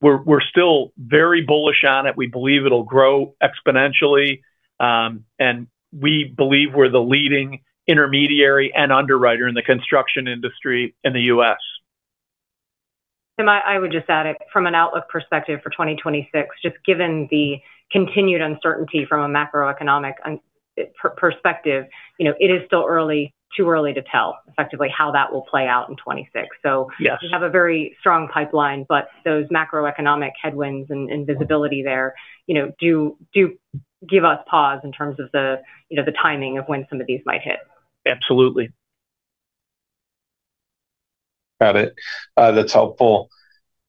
we're still very bullish on it. We believe it'll grow exponentially, and we believe we're the leading intermediary and underwriter in the construction industry in the U.S. I would just add that from an outlook perspective for 2026, just given the continued uncertainty from a macroeconomic perspective, you know, it is still early, too early to tell effectively how that will play out in 2026. So- Yes. We have a very strong pipeline, but those macroeconomic headwinds and visibility there, you know, do give us pause in terms of the, you know, the timing of when some of these might hit. Absolutely. Got it. That's helpful.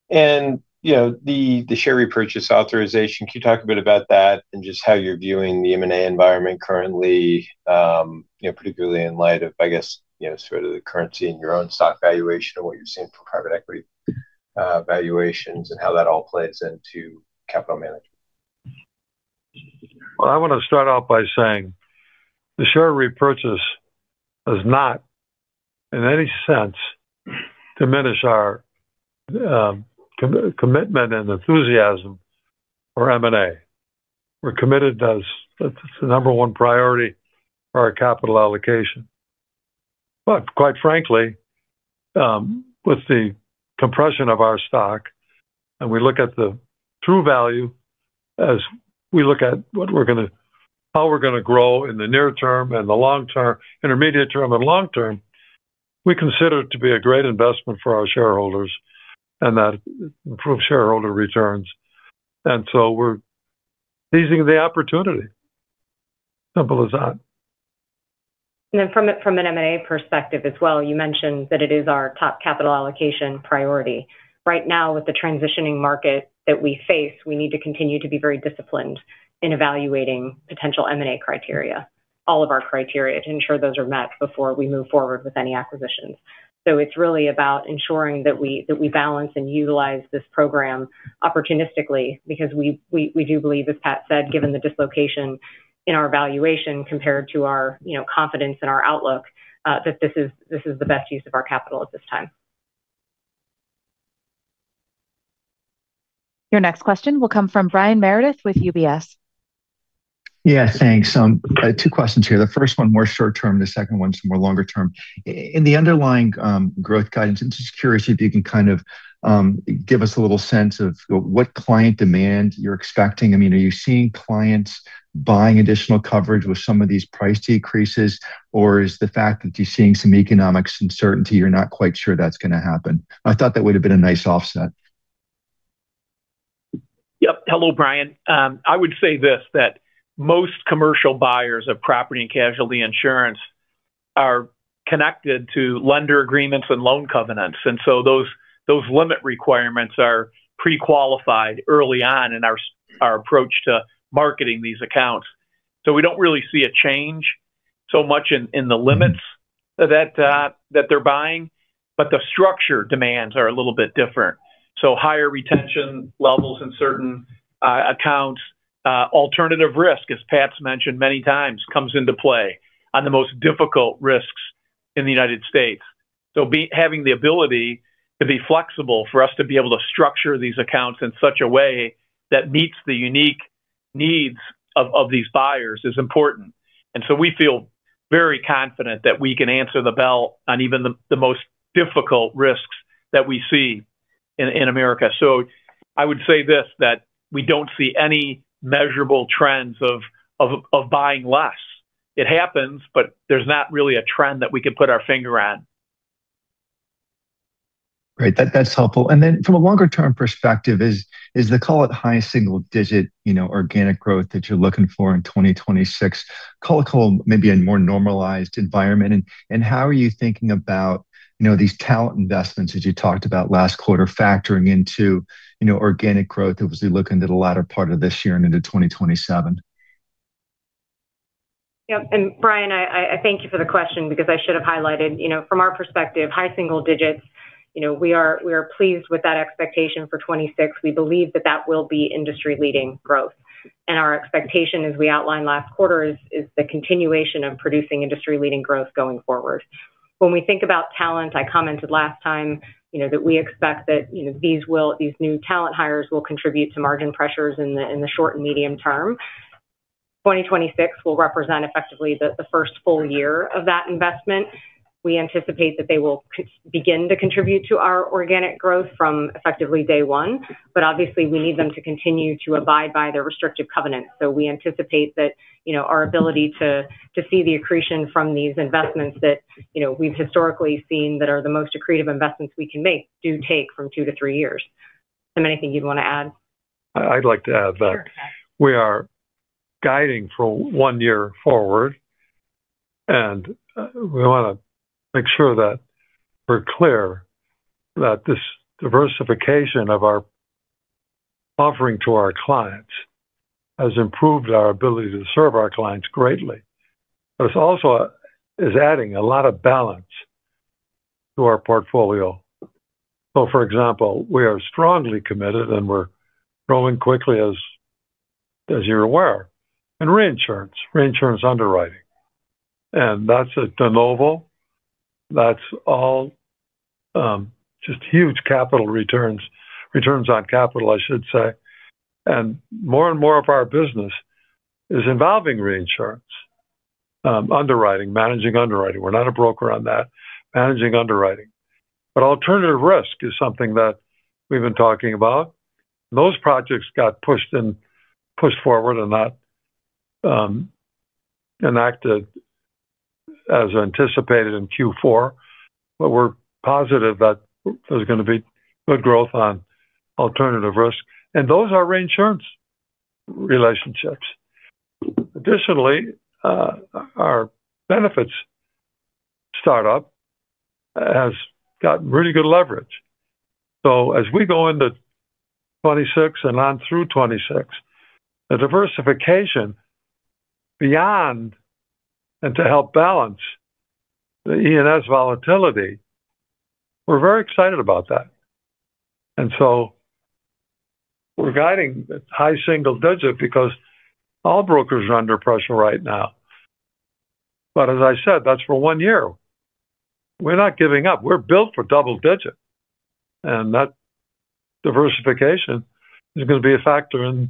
And, you know, the, the share repurchase authorization, can you talk a bit about that and just how you're viewing the M&A environment currently, you know, particularly in light of, I guess, you know, sort of the currency in your own stock valuation and what you're seeing for private equity, valuations and how that all plays into capital management? Well, I want to start off by saying the share repurchase does not, in any sense, diminish our commitment and enthusiasm for M&A. We're committed. That's the number one priority for our capital allocation. But quite frankly, with the compression of our stock, and we look at the true value as we look at how we're gonna grow in the near term and the long term, intermediate term and long term, we consider it to be a great investment for our shareholders and that improve shareholder returns. And so we're seizing the opportunity. Simple as that. From an M&A perspective as well, you mentioned that it is our top capital allocation priority. Right now, with the transitioning market that we face, we need to continue to be very disciplined in evaluating potential M&A criteria, all of our criteria, to ensure those are met before we move forward with any acquisitions. So it's really about ensuring that we balance and utilize this program opportunistically, because we do believe, as Pat said, given the dislocation in our valuation compared to our, you know, confidence in our outlook, that this is the best use of our capital at this time. Your next question will come from Brian Meredith with UBS. Yeah, thanks. I have two questions here. The first one, more short term, the second one is more longer term. In the underlying growth guidance, I'm just curious if you can kind of give us a little sense of what client demand you're expecting. I mean, are you seeing clients buying additional coverage with some of these price decreases? Or is the fact that you're seeing some economic uncertainty, you're not quite sure that's going to happen? I thought that would have been a nice offset. Yep. Hello, Brian. I would say this, that most commercial buyers of property and casualty insurance are connected to lender agreements and loan covenants, and so those, those limit requirements are pre-qualified early on in our approach to marketing these accounts. So we don't really see a change so much in, in the limits that, that they're buying, but the structure demands are a little bit different. So higher retention levels in certain accounts. Alternative risk, as Pat's mentioned many times, comes into play on the most difficult risks in the United States. So having the ability to be flexible, for us to be able to structure these accounts in such a way that meets the unique needs of, of these buyers is important. So we feel very confident that we can answer the bell on even the most difficult risks that we see in America. So I would say this, that we don't see any measurable trends of buying less. It happens, but there's not really a trend that we could put our finger on. Great, that's helpful. And then from a longer-term perspective, is the, call it, high single digit, you know, organic growth that you're looking for in 2026, call it, maybe a more normalized environment? And how are you thinking about, you know, these talent investments that you talked about last quarter, factoring into, you know, organic growth as we look into the latter part of this year and into 2027? Yep, and Brian, I thank you for the question because I should have highlighted, you know, from our perspective, high single digits, you know, we are pleased with that expectation for 2026. We believe that that will be industry-leading growth, and our expectation, as we outlined last quarter, is the continuation of producing industry-leading growth going forward. When we think about talent, I commented last time, you know, that we expect that, you know, these new talent hires will contribute to margin pressures in the short and medium term. 2026 will represent effectively the first full year of that investment. We anticipate that they will begin to contribute to our organic growth from effectively day one, but obviously, we need them to continue to abide by their restrictive covenants. So we anticipate that, you know, our ability to see the accretion from these investments that, you know, we've historically seen that are the most accretive investments we can make, do take from two to three years. Tim, anything you'd want to add? I'd like to add that- Sure. We are guiding for one year forward, and we wanna make sure that we're clear that this diversification of our offering to our clients has improved our ability to serve our clients greatly. But it also is adding a lot of balance to our portfolio. So, for example, we are strongly committed, and we're growing quickly, as, as you're aware, in reinsurance, reinsurance underwriting, and that's a de novo. That's all, just huge capital returns, returns on capital, I should say. And more and more of our business is involving reinsurance, underwriting, managing underwriting. We're not a broker on that, managing underwriting. But alternative risk is something that we've been talking about. Those projects got pushed and pushed forward and not, enacted as anticipated in Q4, but we're positive that there's gonna be good growth on alternative risk, and those are reinsurance relationships. Additionally, our benefits startup has gotten really good leverage. So as we go into 2026 and on through 2026, the diversification beyond and to help balance the E&S volatility, we're very excited about that. And so we're guiding high single digit because all brokers are under pressure right now. But as I said, that's for one year. We're not giving up. We're built for double digit, and that diversification is gonna be a factor in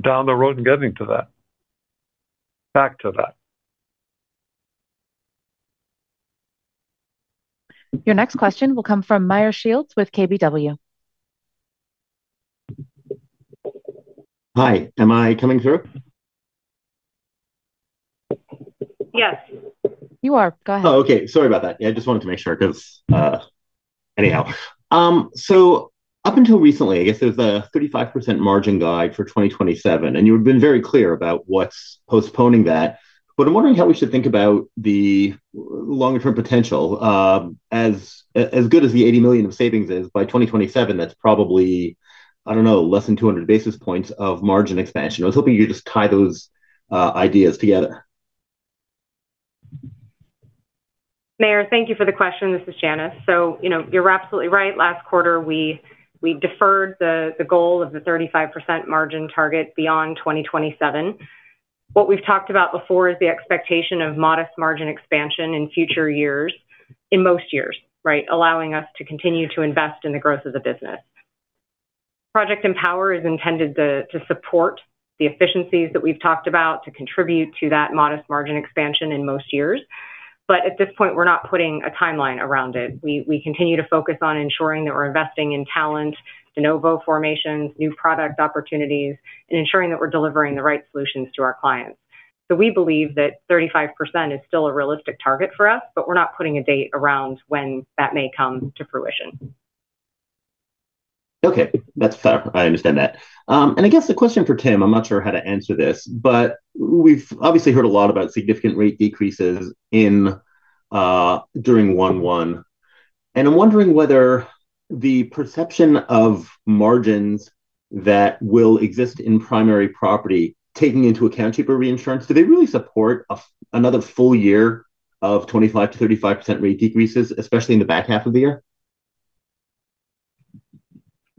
down the road in getting to that. Back to that. Your next question will come from Meyer Shields with KBW. Hi, am I coming through? Yes. You are. Go ahead. Oh, okay. Sorry about that. Yeah, I just wanted to make sure, 'cause, anyhow, so up until recently, I guess there's a 35% margin guide for 2027, and you have been very clear about what's postponing that. But I'm wondering how we should think about the longer-term potential, as good as the $80 million of savings is, by 2027, that's probably, I don't know, less than 200 basis points of margin expansion. I was hoping you could just tie those ideas together. Meyer, thank you for the question. This is Janice. So, you know, you're absolutely right. Last quarter, we deferred the goal of the 35% margin target beyond 2027. What we've talked about before is the expectation of modest margin expansion in future years, in most years, right? Allowing us to continue to invest in the growth of the business. Project Empower is intended to support the efficiencies that we've talked about, to contribute to that modest margin expansion in most years. But at this point, we're not putting a timeline around it. We continue to focus on ensuring that we're investing in talent, de novo formations, new product opportunities, and ensuring that we're delivering the right solutions to our clients. We believe that 35% is still a realistic target for us, but we're not putting a date around when that may come to fruition. Okay, that's fair. I understand that. And I guess the question for Tim, I'm not sure how to answer this, but we've obviously heard a lot about significant rate decreases in during Q1. And I'm wondering whether the perception of margins that will exist in primary property, taking into account cheaper reinsurance, do they really support another full year of 25%-35% rate decreases, especially in the back half of the year?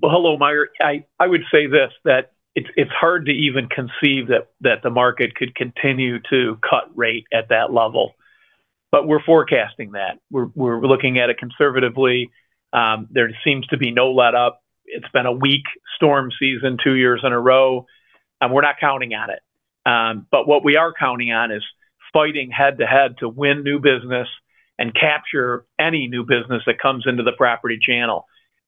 Well, hello, Meyer. I would say this, that it's hard to even conceive that the market could continue to cut rate at that level, but we're forecasting that. We're looking at it conservatively. There seems to be no letup. It's been a weak storm season two years in a row, and we're not counting on it. But what we are counting on is fighting head-to-head to win new business and capture any new business that comes into the property channel.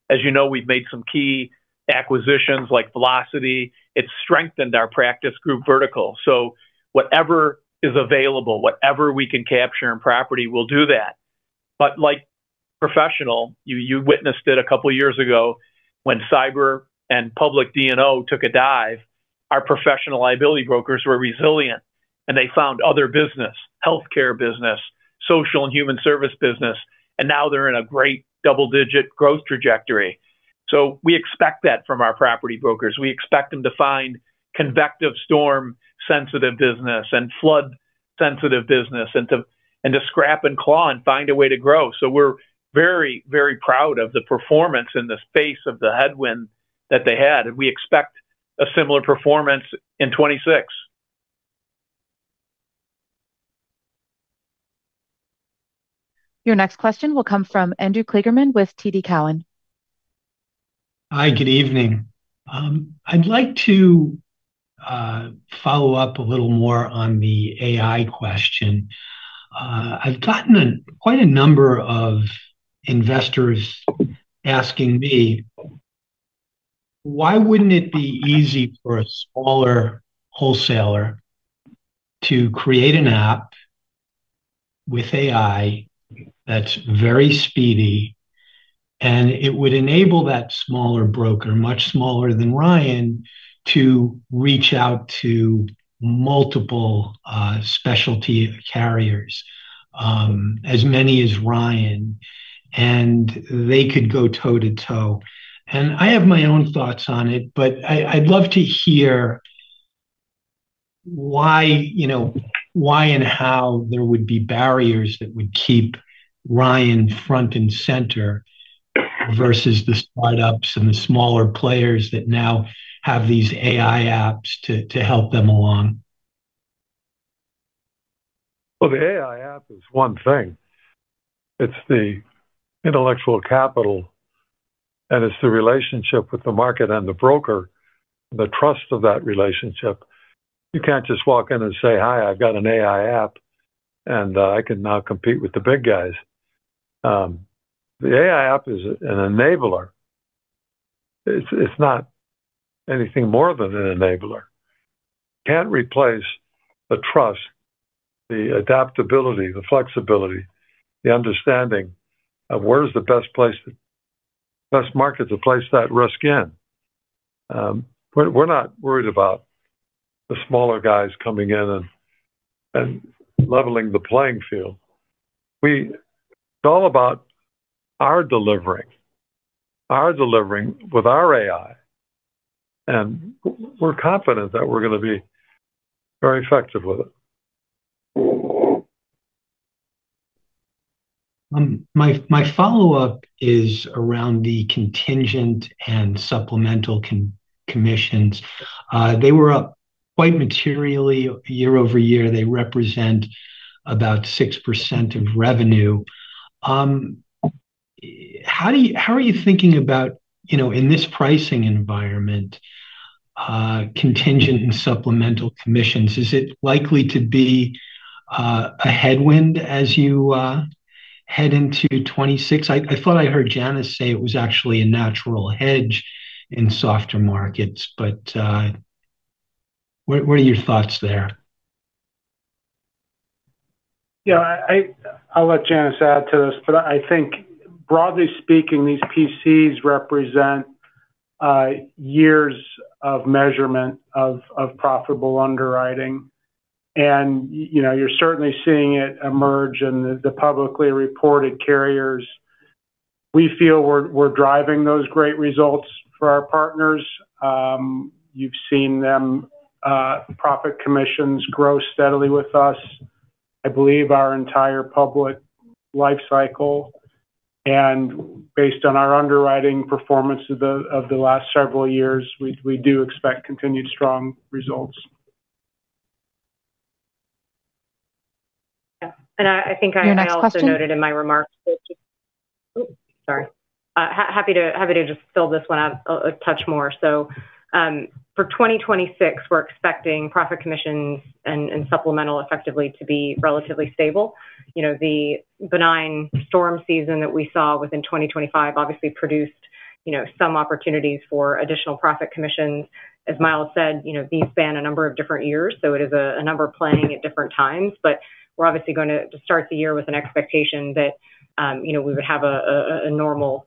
As you know, we've made some key acquisitions like Velocity. It's strengthened our practice group vertical, so whatever is available, whatever we can capture in property, we'll do that. But like professional, you witnessed it a couple of years ago when cyber and public D&O took a dive. Our professional liability brokers were resilient, and they found other business, healthcare business, social and human service business, and now they're in a great double-digit growth trajectory. So we expect that from our property brokers. We expect them to find convective, storm-sensitive business and flood-sensitive business, and to scrap and claw and find a way to grow. So we're very, very proud of the performance in the face of the headwind that they had, and we expect a similar performance in 2026. Your next question will come from Andrew Kligerman with TD Cowen. Hi, good evening. I'd like to follow up a little more on the AI question. I've gotten quite a number of investors asking me, why wouldn't it be easy for a smaller wholesaler to create an app with AI that's very speedy, and it would enable that smaller broker, much smaller than Ryan, to reach out to multiple specialty carriers, as many as Ryan, and they could go toe to toe? I have my own thoughts on it, but I'd love to hear why, you know, why and how there would be barriers that would keep Ryan front and center versus the startups and the smaller players that now have these AI apps to help them along. Well, the AI app is one thing. It's the intellectual capital, and it's the relationship with the market and the broker, the trust of that relationship. You can't just walk in and say, "Hi, I've got an AI app, and, I can now compete with the big guys." The AI app is an enabler. It's, it's not anything more than an enabler. Can't replace the trust, the adaptability, the flexibility, the understanding of where's the best place to best market to place that risk in. We're, we're not worried about the smaller guys coming in and, and leveling the playing field. It's all about our delivering, our delivering with our AI, and we're confident that we're going to be very effective with it. My follow-up is around the contingent and supplemental commissions. They were up quite materially year-over-year. They represent about 6% of revenue. How are you thinking about, you know, in this pricing environment, contingent and supplemental commissions? Is it likely to be a headwind as you head into 2026? I thought I heard Janice say it was actually a natural hedge in softer markets, but what are your thoughts there? Yeah, I'll let Janice add to this, but I think broadly speaking, these PCs represent years of measurement of profitable underwriting. You know, you're certainly seeing it emerge in the publicly reported carriers. We feel we're driving those great results for our partners. You've seen them profit commissions grow steadily with us, I believe our entire public life cycle, and based on our underwriting performance of the last several years, we do expect continued strong results. Yeah, and I think I also noted in my remarks. Your next question. Oops, sorry. Happy to just fill this one out a touch more. So, for 2026, we're expecting profit commissions and supplemental effectively to be relatively stable. You know, the benign storm season that we saw within 2025 obviously produced, you know, some opportunities for additional profit commissions. As Miles said, you know, these span a number of different years, so it is a number playing at different times. But we're obviously going to start the year with an expectation that, you know, we would have a normal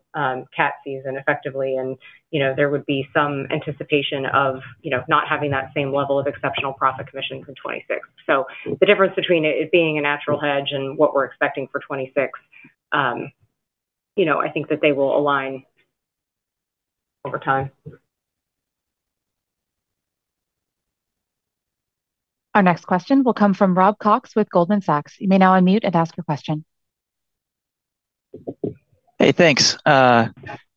cat season effectively, and, you know, there would be some anticipation of, you know, not having that same level of exceptional profit commission for 2026. So the difference between it being a natural hedge and what we're expecting for 2026, you know, I think that they will align over time. Our next question will come from Rob Cox with Goldman Sachs. You may now unmute and ask your question. Hey, thanks. Yeah,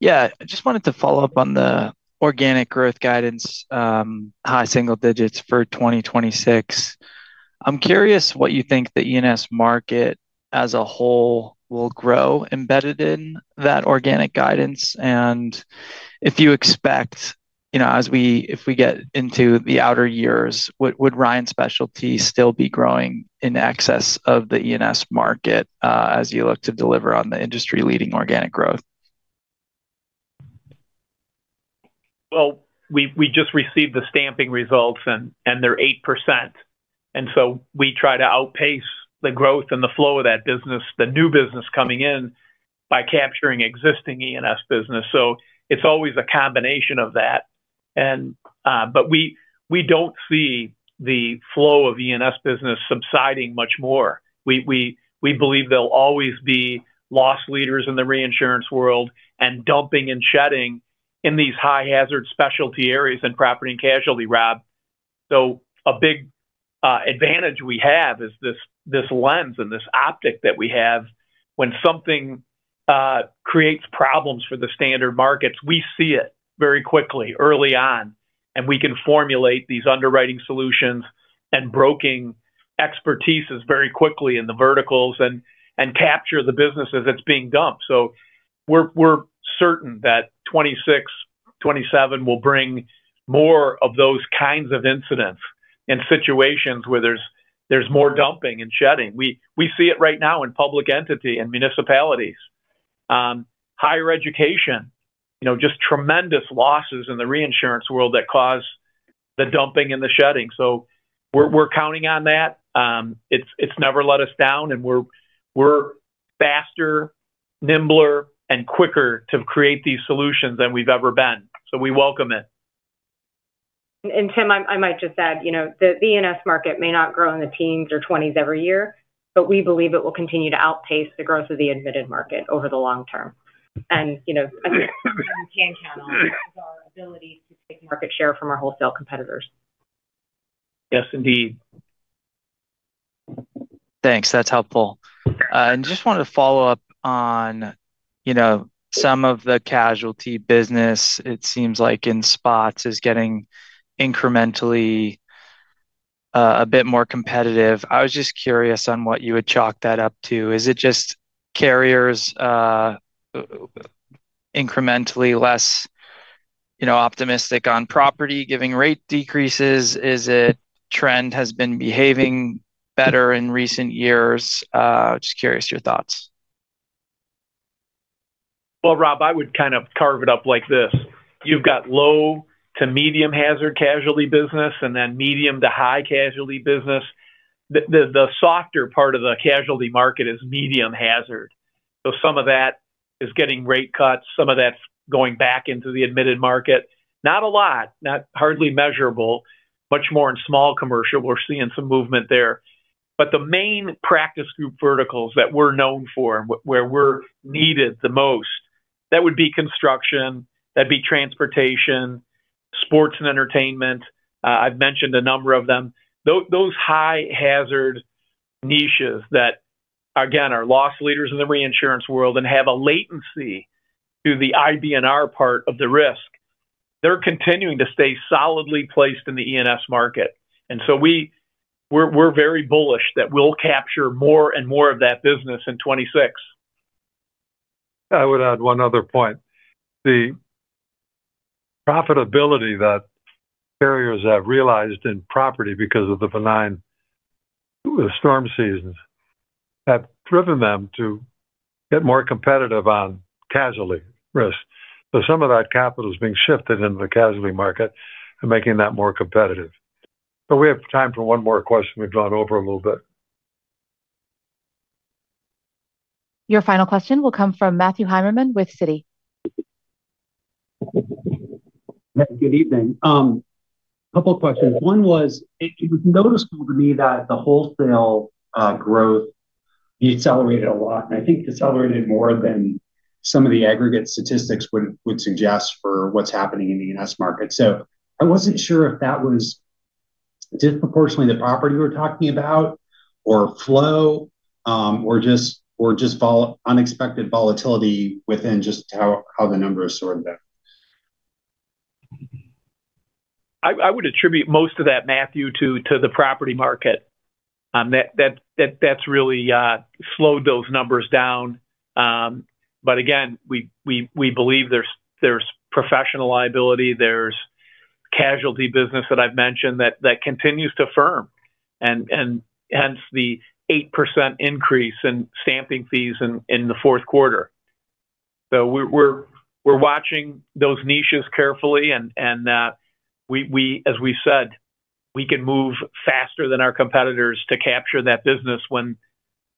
I just wanted to follow up on the organic growth guidance, high single digits for 2026. I'm curious what you think the E&S market as a whole will grow embedded in that organic guidance, and if you expect, you know, if we get into the outer years, would, would Ryan Specialty still be growing in excess of the E&S market, as you look to deliver on the industry-leading organic growth? Well, we just received the stamping results, and they're 8%, and so we try to outpace the growth and the flow of that business, the new business coming in, by capturing existing E&S business. So it's always a combination of that. But we don't see the flow of E&S business subsiding much more. We believe there'll always be loss leaders in the reinsurance world and dumping and shedding in these high-hazard specialty areas in property and casualty, Rob. So a big advantage we have is this lens and this optic that we have. When something creates problems for the standard markets, we see it very quickly, early on, and we can formulate these underwriting solutions and broking expertises very quickly in the verticals and capture the business as it's being dumped. So we're certain that 2026, 2027 will bring more of those kinds of incidents in situations where there's more dumping and shedding. We see it right now in public entity and municipalities. Higher education, you know, just tremendous losses in the reinsurance world that cause the dumping and the shedding. So we're counting on that. It's never let us down, and we're faster, nimbler, and quicker to create these solutions than we've ever been, so we welcome it. And Tim, I might just add, you know, the E&S market may not grow in the teens or twenties every year, but we believe it will continue to outpace the growth of the admitted market over the long term. And, you know, we can count on our ability to take market share from our wholesale competitors. Yes, indeed. Thanks. That's helpful. And just wanted to follow up on, you know, some of the casualty business. It seems like in spots is getting incrementally, a bit more competitive. I was just curious on what you would chalk that up to. Is it just carriers, incrementally less, you know, optimistic on property, giving rate decreases? Is it trend has been behaving better in recent years? Just curious your thoughts. Well, Rob, I would kind of carve it up like this: You've got low to medium hazard casualty business and then medium to high casualty business. The softer part of the casualty market is medium hazard, so some of that is getting rate cuts, some of that's going back into the admitted market. Not a lot, not hardly measurable, much more in small commercial. We're seeing some movement there. But the main practice group verticals that we're known for, where we're needed the most, that would be construction, that'd be transportation, sports and entertainment, I've mentioned a number of them. Those high-hazard niches that, again, are loss leaders in the reinsurance world and have a latency to the IBNR part of the risk, they're continuing to stay solidly placed in the E&S market. And so we're very bullish that we'll capture more and more of that business in 2026. I would add one other point. The profitability that carriers have realized in property because of the benign storm seasons, have driven them to get more competitive on casualty risk. So some of that capital is being shifted into the casualty market and making that more competitive. So we have time for one more question. We've gone over a little bit. Your final question will come from Matthew Heimermann with Citi. Good evening. A couple of questions. One was, it was noticeable to me that the wholesale growth accelerated a lot, and I think accelerated more than some of the aggregate statistics would suggest for what's happening in the U.S. market. So I wasn't sure if that was disproportionately the property we're talking about, or flow, or just, or just unexpected volatility within just how the numbers sorted out. I would attribute most of that, Matthew, to the property market. That's really slowed those numbers down. But again, we believe there's professional liability, there's casualty business that I've mentioned that continues to firm, and hence the 8% increase in stamping fees in the fourth quarter. So we're watching those niches carefully, and as we said, we can move faster than our competitors to capture that business when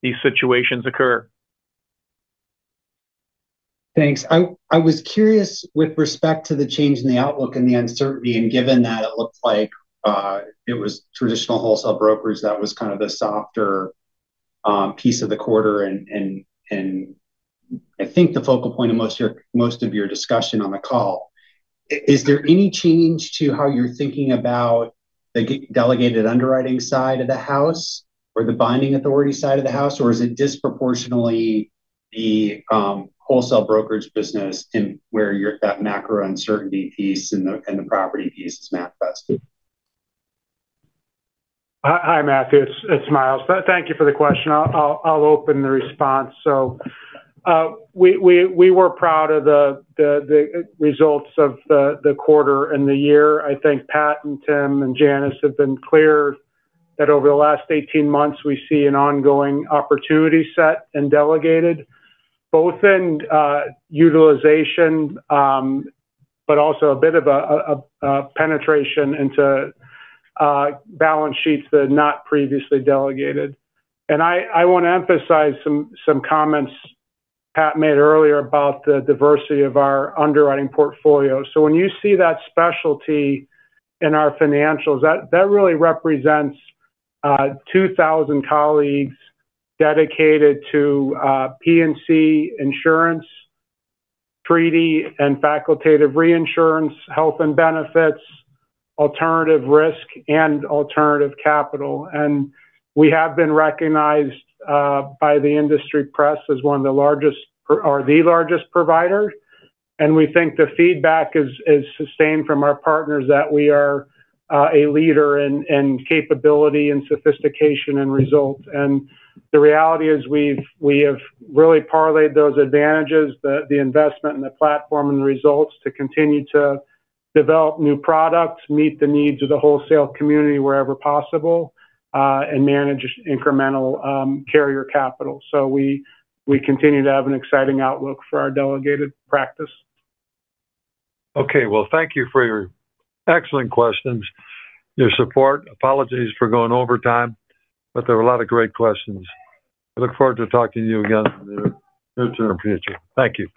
these situations occur. Thanks. I was curious with respect to the change in the outlook and the uncertainty, and given that it looked like it was traditional wholesale brokerage that was kind of the softer piece of the quarter, and I think the focal point of most of your discussion on the call. Is there any change to how you're thinking about the delegated underwriting side of the house or the binding authority side of the house, or is it disproportionately the wholesale brokerage business in where that macro uncertainty piece and the property piece is manifested? Hi, Matthew, it's Miles. Thank you for the question. I'll open the response. So, we were proud of the results of the quarter and the year. I think Pat and Tim and Janice have been clear that over the last 18 months, we see an ongoing opportunity set and delegated, both in utilization, but also a bit of a penetration into balance sheets that are not previously delegated. And I want to emphasize some comments Pat made earlier about the diversity of our underwriting portfolio. So when you see that specialty in our financials, that really represents, 2,000 colleagues dedicated to P&C insurance, treaty and facultative reinsurance, health and benefits, alternative risk, and alternative capital. We have been recognized by the industry press as one of the largest or the largest provider, and we think the feedback is sustained from our partners, that we are a leader in capability and sophistication and results. The reality is, we have really parlayed those advantages, the investment in the platform and results, to continue to develop new products, meet the needs of the wholesale community wherever possible, and manage incremental carrier capital. We continue to have an exciting outlook for our delegated practice. Okay, well, thank you for your excellent questions, your support. Apologies for going over time, but there were a lot of great questions. I look forward to talking to you again in the near future. Thank you.